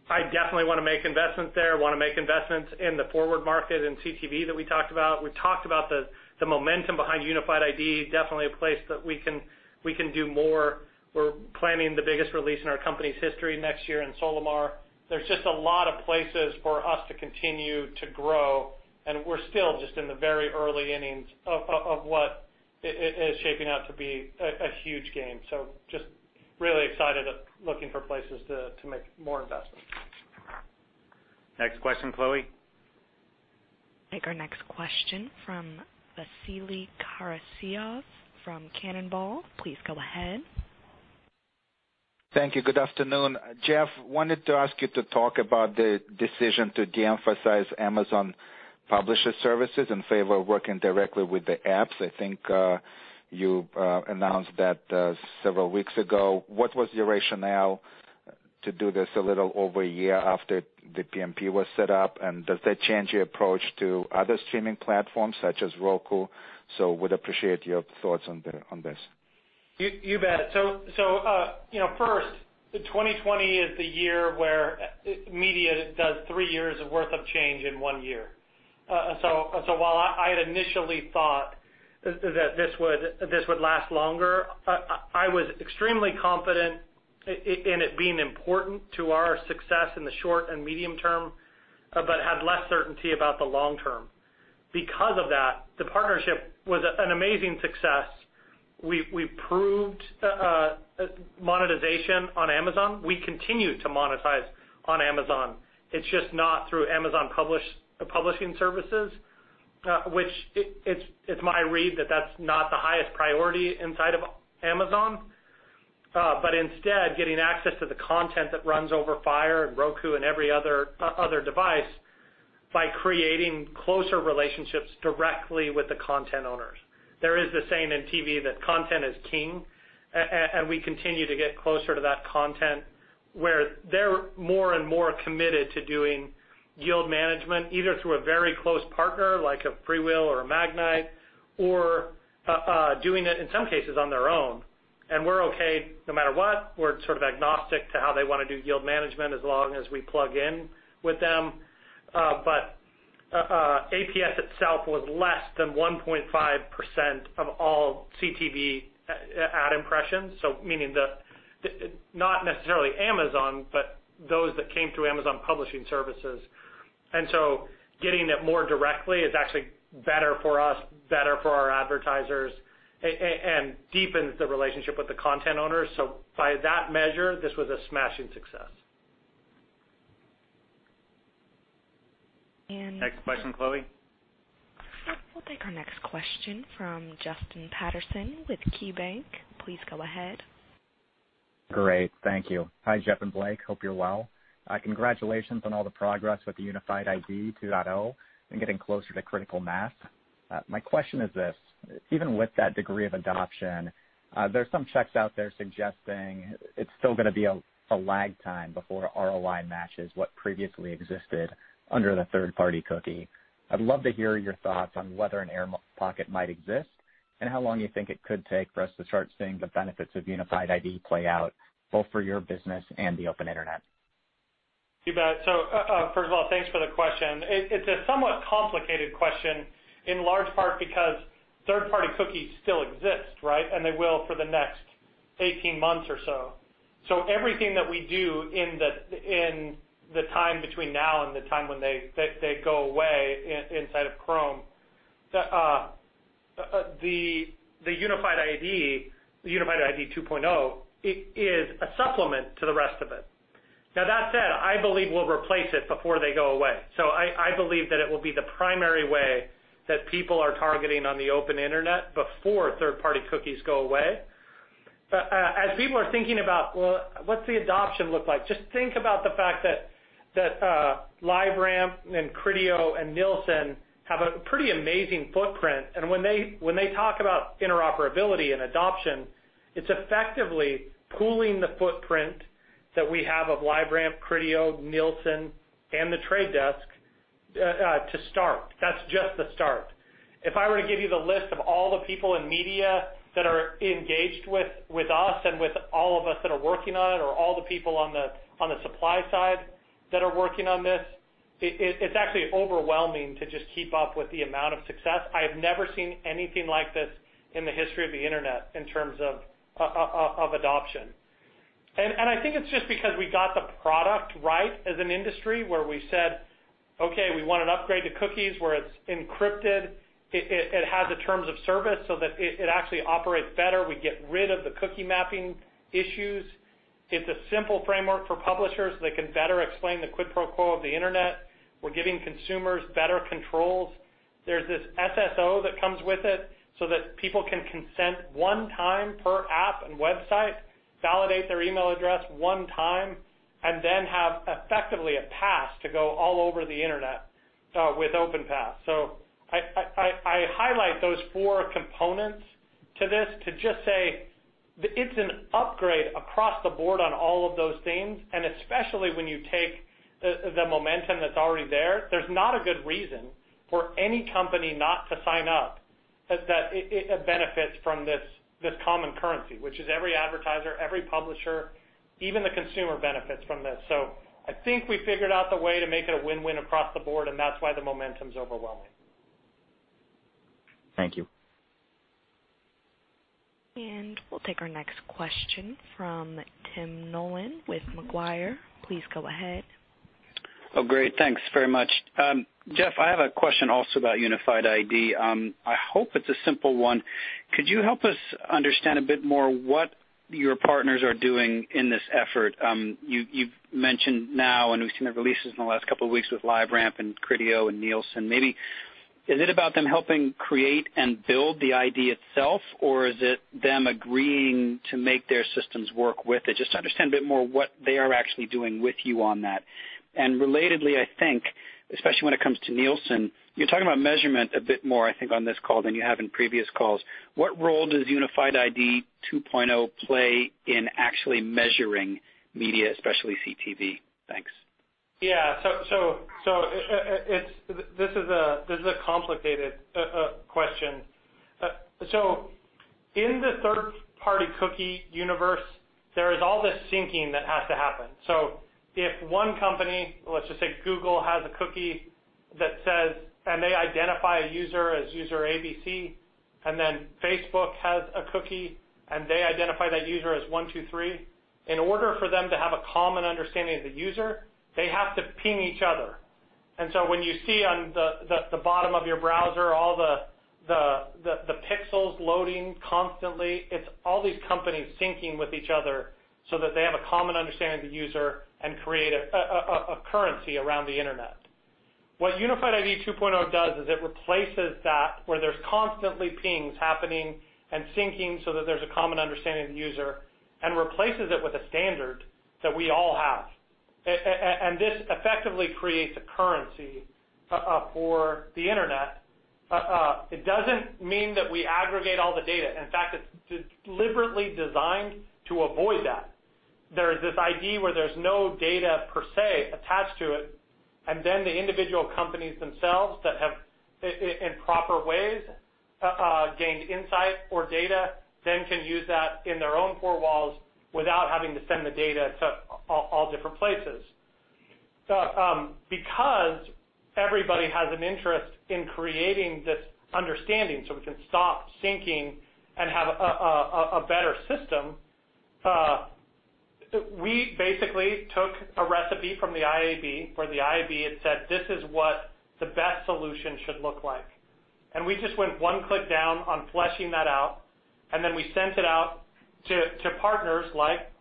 I definitely want to make investments there, want to make investments in the forward market, in CTV that we talked about. We talked about the momentum behind Unified ID, definitely a place that we can do more. We're planning the biggest release in our company's history next year in Solimar. There's just a lot of places for us to continue to grow, and we're still just in the very early innings of what is shaping up to be a huge game. Just really excited at looking for places to make more investments. Next question, Chloe. Take our next question from Vasily Karasyov from Cannonball. Please go ahead. Thank you. Good afternoon. Jeff, wanted to ask you to talk about the decision to de-emphasize Amazon Publisher Services in favor of working directly with the apps. I think you announced that several weeks ago. What was your rationale to do this a little over a year after the PMP was set up, and does that change your approach to other streaming platforms such as Roku? Would appreciate your thoughts on this. You bet. First, 2020 is the year where media does three years' worth of change in one year. While I had initially thought that this would last longer, I was extremely confident in it being important to our success in the short and medium term, but had less certainty about the long term. Because of that, the partnership was an amazing success. We proved monetization on Amazon. We continue to monetize on Amazon. It's just not through Amazon Publisher Services, which it's my read that that's not the highest priority inside of Amazon. Instead, getting access to the content that runs over Fire and Roku and every other device by creating closer relationships directly with the content owners. There is the saying in TV that content is king. We continue to get closer to that content, where they're more and more committed to doing yield management, either through a very close partner, like a FreeWheel or a Magnite, or doing it, in some cases, on their own. we're okay no matter what. We're sort of agnostic to how they want to do yield management as long as we plug in with them. APS itself was less than 1.5% of all CTV ad impressions. meaning not necessarily Amazon, but those that came through Amazon Publisher Services. getting it more directly is actually better for us, better for our advertisers, and deepens the relationship with the content owners. by that measure, this was a smashing success. And- Next question, Chloe. We'll take our next question from Justin Patterson with KeyBanc. Please go ahead. Great. Thank you. Hi, Jeff and Blake. Hope you're well. Congratulations on all the progress with the Unified ID 2.0 and getting closer to critical mass. My question is this, even with that degree of adoption, there's some checks out there suggesting it's still gonna be a lag time before ROI matches what previously existed under the third-party cookie. I'd love to hear your thoughts on whether an air pocket might exist, and how long you think it could take for us to start seeing the benefits of Unified ID play out, both for your business and the open internet. You bet. First of all, thanks for the question. It's a somewhat complicated question, in large part because third-party cookies still exist, right? They will for the next 18 months or so. Everything that we do in the time between now and the time when they go away in inside of Chrome, the Unified ID 2.0, it is a supplement to the rest of it. That said, I believe we'll replace it before they go away. I believe that it will be the primary way that people are targeting on the open internet before third-party cookies go away. As people are thinking about, well, what's the adoption look like? Just think about the fact that LiveRamp and Criteo and Nielsen have a pretty amazing footprint. When they talk about interoperability and adoption, it's effectively pooling the footprint that we have of LiveRamp, Criteo, Nielsen, and The Trade Desk to start. That's just the start. If I were to give you the list of all the people in media that are engaged with us and with all of us that are working on it, or all the people on the supply side that are working on this, it's actually overwhelming to just keep up with the amount of success. I have never seen anything like this in the history of the internet in terms of adoption. I think it's just because we got the product right as an industry, where we said, "Okay, we want an upgrade to cookies where it's encrypted, it has a terms of service so that it actually operates better. We get rid of the cookie mapping issues. It's a simple framework for publishers. They can better explain the quid pro quo of the internet. We're giving consumers better controls. There's this SSO that comes with it so that people can consent one time per app and website, validate their email address one time, and then have effectively a pass to go all over the internet, with OpenPass. I highlight those four components to this to just say that it's an upgrade across the board on all of those things, and especially when you take the momentum that's already there. There's not a good reason for any company not to sign up, that it benefits from this common currency, which is every advertiser, every publisher, even the consumer benefits from this. I think we figured out the way to make it a win-win across the board, and that's why the momentum's overwhelming. Thank you. We'll take our next question from Tim Nollen with Macquarie. Please go ahead. Oh, great. Thanks very much. Jeff, I have a question also about Unified ID. I hope it's a simple one. Could you help us understand a bit more what your partners are doing in this effort? You've mentioned now, we've seen the releases in the last couple of weeks with LiveRamp and Criteo and Nielsen. Maybe is it about them helping create and build the ID itself, or is it them agreeing to make their systems work with it? Just to understand a bit more what they are actually doing with you on that. Relatedly, I think, especially when it comes to Nielsen, you're talking about measurement a bit more, I think, on this call than you have in previous calls. What role does Unified ID 2.0 play in actually measuring media, especially CTV? Thanks. This is a complicated question. In the third-party cookie universe, there is all this syncing that has to happen. If one company, let's just say Google, has a cookie that says and they identify a user as user ABC, and then Facebook has a cookie, and they identify that user as 123. In order for them to have a common understanding of the user, they have to ping each other. When you see on the bottom of your browser, all the pixels loading constantly, it's all these companies syncing with each other so that they have a common understanding of the user and create a currency around the internet. What Unified ID 2.0 does is it replaces that, where there's constantly pings happening and syncing so that there's a common understanding of the user, and replaces it with a standard that we all have. This effectively creates a currency for the internet. It doesn't mean that we aggregate all the data. In fact, it's deliberately designed to avoid that. There's this ID where there's no data per se attached to it, and then the individual companies themselves that have, in proper ways, gained insight or data, then can use that in their own four walls without having to send the data to all different places. Because everybody has an interest in creating this understanding so we can stop syncing and have a better system. We basically took a recipe from the IAB, where the IAB had said, "This is what the best solution should look like." We just went one click down on fleshing that out, and then we sent it out to partners like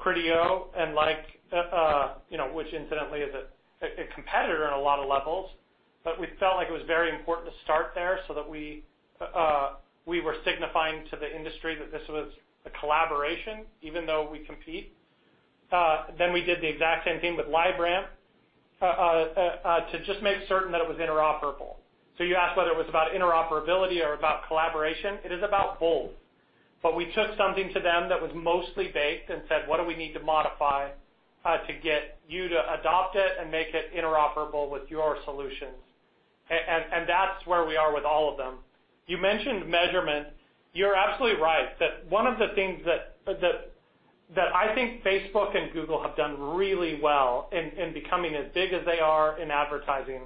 Criteo and like, which incidentally is a competitor on a lot of levels, but we felt like it was very important to start there so that we were signifying to the industry that this was a collaboration, even though we compete. We did the exact same thing with LiveRamp, to just make certain that it was interoperable. You asked whether it was about interoperability or about collaboration. It is about both. We took something to them that was mostly baked and said, "What do we need to modify to get you to adopt it and make it interoperable with your solutions?" That's where we are with all of them. You mentioned measurement. You're absolutely right that one of the things that I think Facebook and Google have done really well in becoming as big as they are in advertising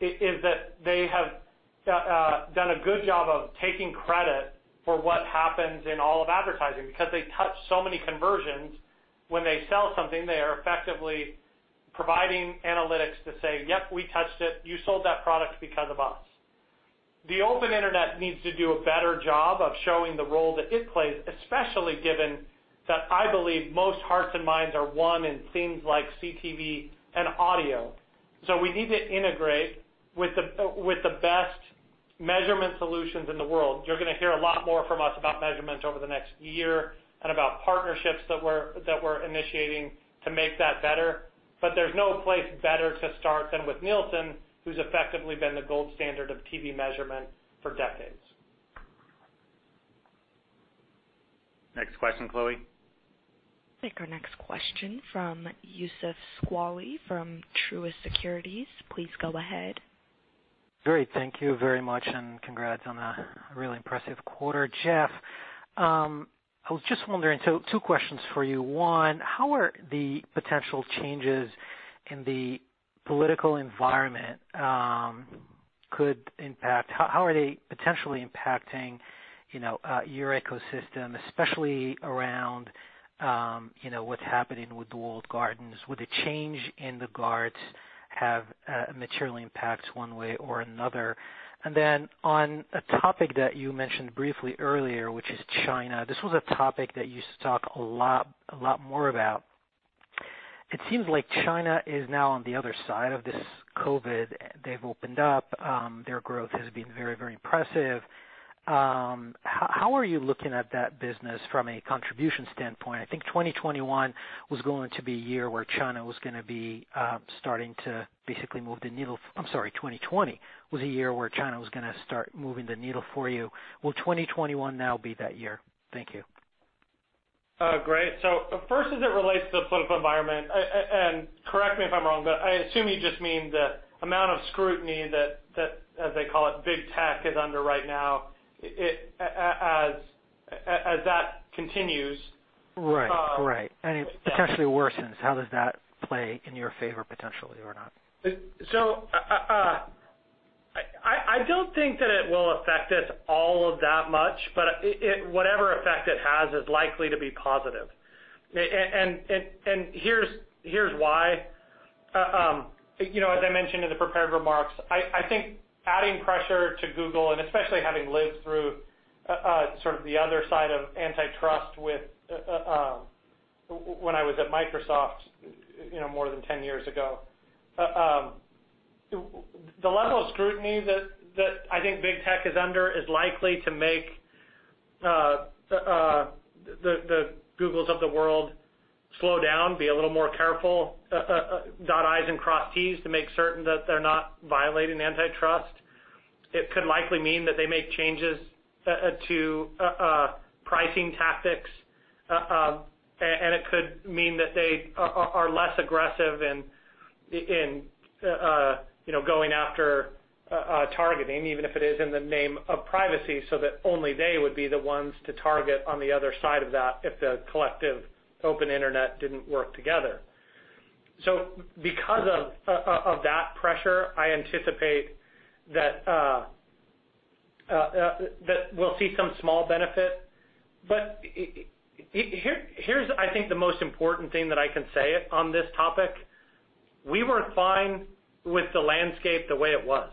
is that they have done a good job of taking credit for what happens in all of advertising, because they touch so many conversions. When they sell something, they are effectively providing analytics to say, "Yep, we touched it. You sold that product because of us." The open internet needs to do a better job of showing the role that it plays, especially given that I believe most hearts and minds are won in things like CTV and audio. We need to integrate with the best measurement solutions in the world. You're going to hear a lot more from us about measurement over the next year and about partnerships that we're initiating to make that better. There's no place better to start than with Nielsen, who's effectively been the gold standard of TV measurement for decades. Next question, Chloe. Take our next question from Youssef Squali from Truist Securities. Please go ahead. Great. Thank you very much, and congrats on a really impressive quarter. Jeff, I was just wondering, two questions for you. One, how are the potential changes in the political environment, how are they potentially impacting your ecosystem, especially around what's happening with the walled gardens? Would the change in the guards have a material impact one way or another? On a topic that you mentioned briefly earlier, which is China. This was a topic that you used to talk a lot more about. It seems like China is now on the other side of this COVID. They've opened up. Their growth has been very impressive. How are you looking at that business from a contribution standpoint? I think 2021 was going to be a year where China was going to be starting to basically move the needle. I'm sorry, 2020 was a year where China was going to start moving the needle for you. Will 2021 now be that year? Thank you. Great. First, as it relates to the political environment, and correct me if I'm wrong, but I assume you just mean the amount of scrutiny that as they call it, big tech is under right now, as that continues. Right. It potentially worsens. How does that play in your favor potentially or not? I don't think that it will affect us all of that much, but whatever effect it has is likely to be positive. Here's why. As I mentioned in the prepared remarks, I think adding pressure to Google and especially having lived through sort of the other side of antitrust when I was at Microsoft, more than 10 years ago. The level of scrutiny that I think big tech is under is likely to make the Googles of the world slow down, be a little more careful, dot I's and cross T's to make certain that they're not violating antitrust. It could likely mean that they make changes to pricing tactics. It could mean that they are less aggressive in going after targeting, even if it is in the name of privacy, so that only they would be the ones to target on the other side of that if the collective open internet didn't work together. Because of that pressure, I anticipate that we'll see some small benefit. Here's, I think, the most important thing that I can say on this topic. We were fine with the landscape the way it was.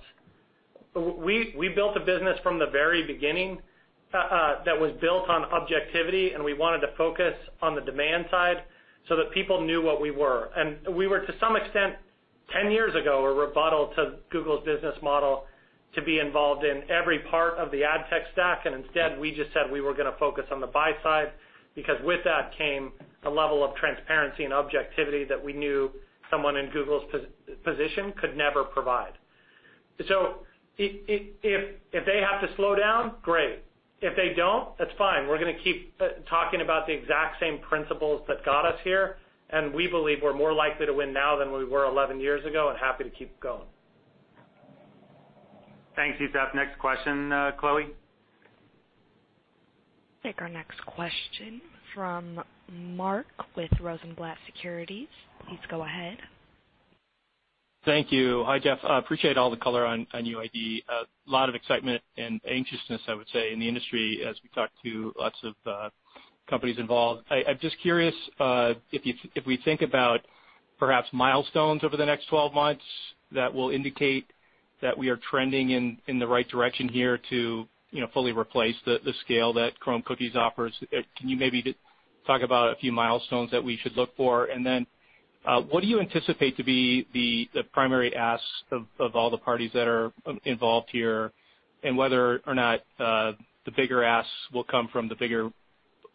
We built a business from the very beginning that was built on objectivity, and we wanted to focus on the demand side so that people knew what we were. We were, to some extent, 10 years ago, a rebuttal to Google's business model to be involved in every part of the ad tech stack. Instead, we just said we were going to focus on the buy side because with that came a level of transparency and objectivity that we knew someone in Google's position could never provide. If they have to slow down, great. If they don't, that's fine. We're going to keep talking about the exact same principles that got us here, and we believe we're more likely to win now than we were 11 years ago and happy to keep going. Thanks, Youssef. Next question, Chloe. Take our next question from Mark with Rosenblatt Securities. Please go ahead. Thank you. Hi, Jeff. I appreciate all the color on UID. A lot of excitement and anxiousness, I would say, in the industry as we talk to lots of companies involved. I'm just curious if we think about perhaps milestones over the next 12 months that will indicate that we are trending in the right direction here to fully replace the scale that Chrome cookies offers. Can you maybe just talk about a few milestones that we should look for? What do you anticipate to be the primary asks of all the parties that are involved here, and whether or not the bigger asks will come from the bigger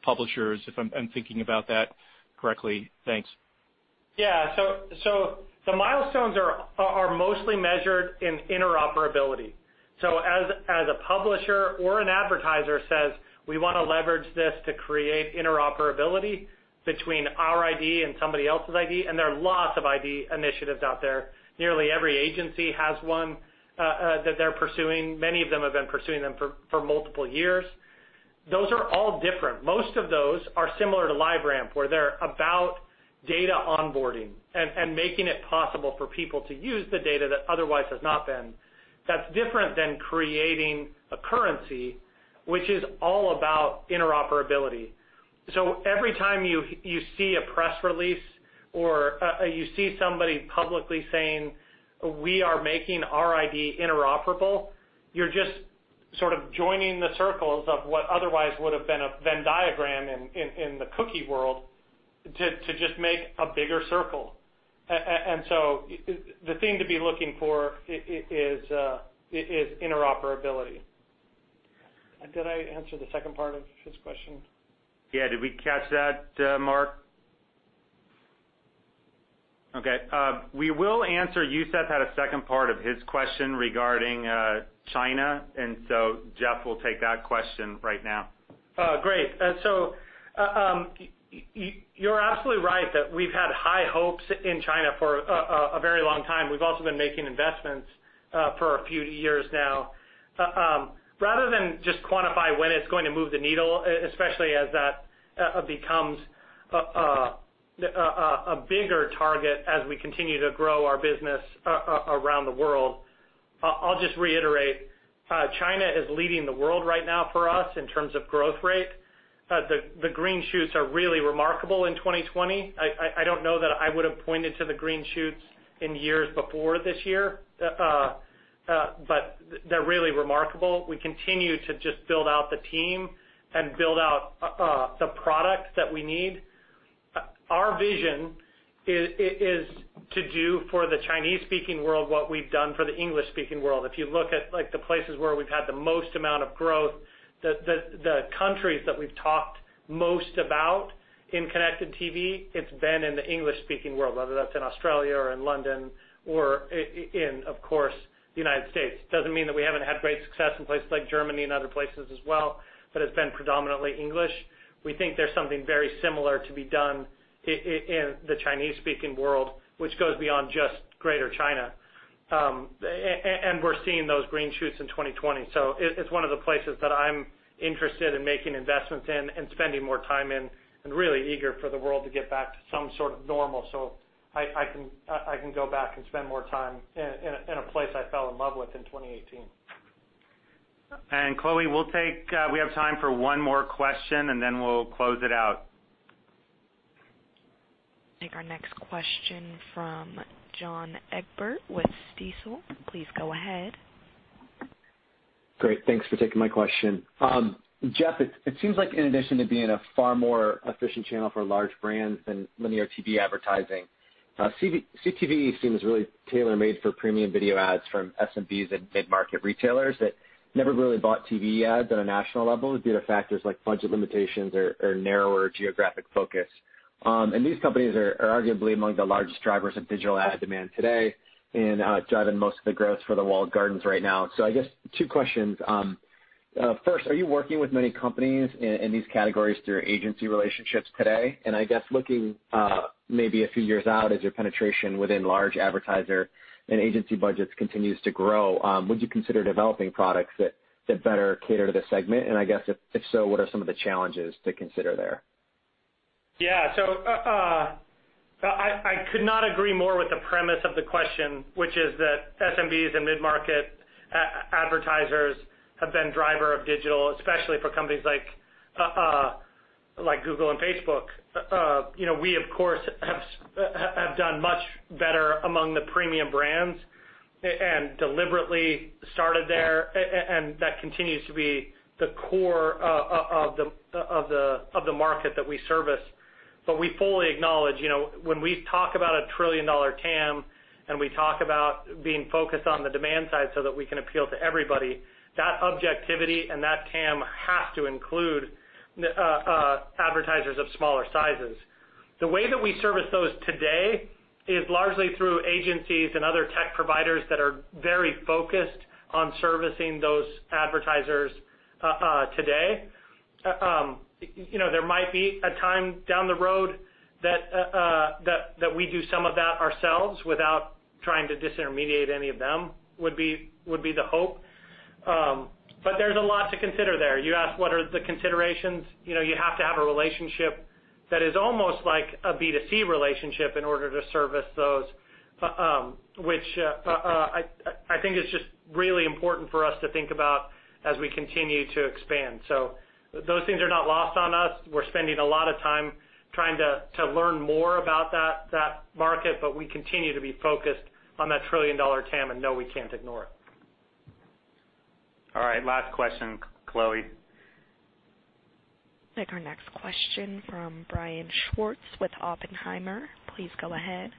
publishers, if I'm thinking about that correctly? Thanks. Yeah. The milestones are mostly measured in interoperability. As a publisher or an advertiser says, we want to leverage this to create interoperability between our ID and somebody else's ID. There are lots of ID initiatives out there. Nearly every agency has one that they're pursuing. Many of them have been pursuing them for multiple years. Those are all different. Most of those are similar to LiveRamp, where they're about data onboarding and making it possible for people to use the data that otherwise has not been. That's different than creating a currency, which is all about interoperability. Every time you see a press release or you see somebody publicly saying, we are making our ID interoperable, you're just sort of joining the circles of what otherwise would have been a Venn diagram in the cookie world to just make a bigger circle. The thing to be looking for is interoperability. Did I answer the second part of his question? Yeah. Did we catch that, Mark? Okay. We will answer, Youssef had a second part of his question regarding China, and so Jeff will take that question right now. Great. You're absolutely right that we've had high hopes in China for a very long time. We've also been making investments for a few years now. Rather than just quantify when it's going to move the needle, especially as that becomes a bigger target as we continue to grow our business around the world, I'll just reiterate China is leading the world right now for us in terms of growth rate. The green shoots are really remarkable in 2020. I don't know that I would've pointed to the green shoots in years before this year. They're really remarkable. We continue to just build out the team and build out the products that we need. Our vision is to do for the Chinese-speaking world what we've done for the English-speaking world. If you look at the places where we've had the most amount of growth, the countries that we've talked most about in connected TV, it's been in the English-speaking world, whether that's in Australia or in London or in, of course, the United States. Doesn't mean that we haven't had great success in places like Germany and other places as well, but it's been predominantly English. We think there's something very similar to be done in the Chinese-speaking world, which goes beyond just Greater China. We're seeing those green shoots in 2020. It's one of the places that I'm interested in making investments in and spending more time in and really eager for the world to get back to some sort of normal so I can go back and spend more time in a place I fell in love with in 2018. Chloe, we have time for one more question, and then we'll close it out. Take our next question from John Egbert with Stifel. Please go ahead. Great. Thanks for taking my question. Jeff, it seems like in addition to being a far more efficient channel for large brands than linear TV advertising, CTV seems really tailor-made for premium video ads from SMBs and mid-market retailers that never really bought TV ads on a national level due to factors like budget limitations or narrower geographic focus. These companies are arguably among the largest drivers of digital ad demand today and driving most of the growth for the walled gardens right now. I guess two questions. First, are you working with many companies in these categories through agency relationships today? I guess looking maybe a few years out as your penetration within large advertiser and agency budgets continues to grow, would you consider developing products that better cater to the segment? I guess if so, what are some of the challenges to consider there? Yeah. I could not agree more with the premise of the question, which is that SMBs and mid-market advertisers have been driver of digital, especially for companies like Google and Facebook. We, of course, have done much better among the premium brands and deliberately started there, and that continues to be the core of the market that we service. We fully acknowledge when we talk about a trillion-dollar TAM and we talk about being focused on the demand side so that we can appeal to everybody, that objectivity and that TAM have to include advertisers of smaller sizes. The way that we service those today is largely through agencies and other tech providers that are very focused on servicing those advertisers today. There might be a time down the road that we do some of that ourselves without trying to disintermediate any of them would be the hope. There's a lot to consider there. You asked what are the considerations. You have to have a relationship that is almost like a B2C relationship in order to service those, which I think is just really important for us to think about as we continue to expand. Those things are not lost on us. We're spending a lot of time trying to learn more about that market, but we continue to be focused on that trillion-dollar TAM, and no, we can't ignore it. All right, last question, Chloe. Take our next question from Brian Schwartz with Oppenheimer. Please go ahead.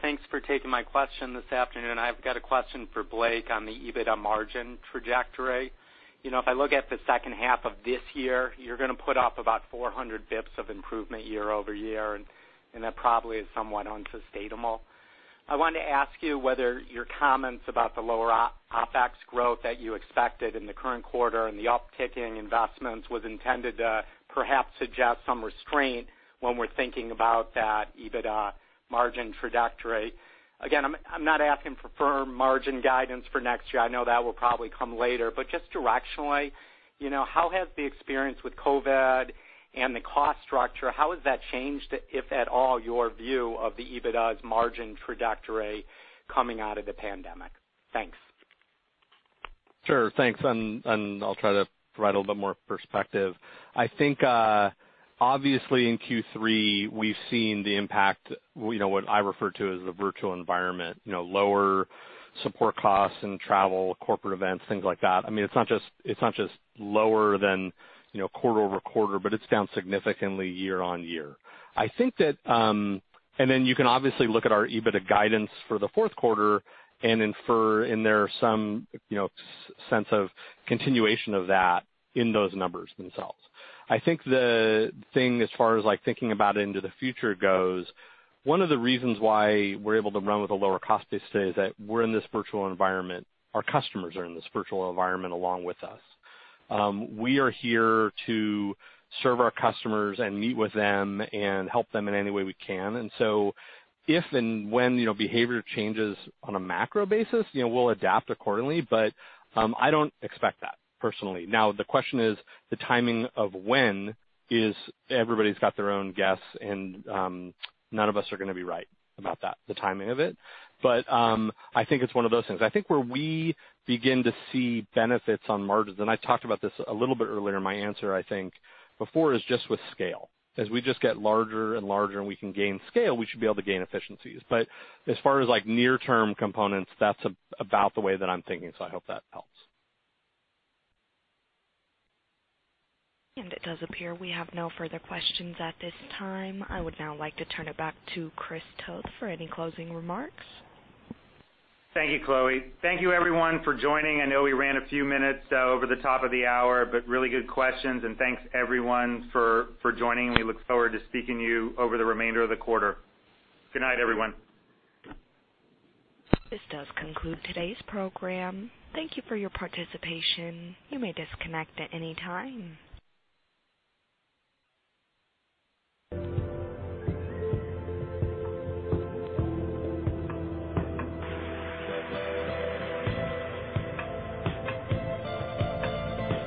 Thanks for taking my question this afternoon. I've got a question for Blake on the EBITDA margin trajectory. If I look at the second half of this year, you're going to put up about 400 basis points of improvement year-over-year, and that probably is somewhat unsustainable. I wanted to ask you whether your comments about the lower OpEx growth that you expected in the current quarter and the upticking investments was intended to perhaps suggest some restraint when we're thinking about that EBITDA margin trajectory. Again, I'm not asking for firm margin guidance for next year. I know that will probably come later, but just directionally, how has the experience with COVID and the cost structure, how has that changed, if at all, your view of the EBITDA's margin trajectory coming out of the pandemic? Thanks. Sure, thanks. I'll try to provide a little bit more perspective. I think, obviously in Q3, we've seen the impact, what I refer to as the virtual environment. Lower support costs and travel, corporate events, things like that. It's not just lower than quarter-over-quarter, but it's down significantly year-on-year. Then you can obviously look at our EBITDA guidance for the fourth quarter and infer in there some sense of continuation of that in those numbers themselves. I think the thing as far as thinking about into the future goes, one of the reasons why we're able to run with a lower cost base today is that we're in this virtual environment. Our customers are in this virtual environment along with us. We are here to serve our customers and meet with them and help them in any way we can. If and when behavior changes on a macro basis, we'll adapt accordingly. I don't expect that personally. The question is the timing of when is everybody's got their own guess, and none of us are going to be right about that, the timing of it. I think it's one of those things. I think where we begin to see benefits on margins, and I talked about this a little bit earlier in my answer, I think, before, is just with scale. As we just get larger and larger and we can gain scale, we should be able to gain efficiencies. As far as near-term components, that's about the way that I'm thinking. I hope that helps. It does appear we have no further questions at this time. I would now like to turn it back to Chris Toth for any closing remarks. Thank you, Chloe. Thank you everyone for joining. I know we ran a few minutes over the top of the hour, but really good questions, and thanks everyone for joining, and we look forward to speaking to you over the remainder of the quarter. Good night, everyone. This does conclude today's program. Thank you for your participation. You may disconnect at any time.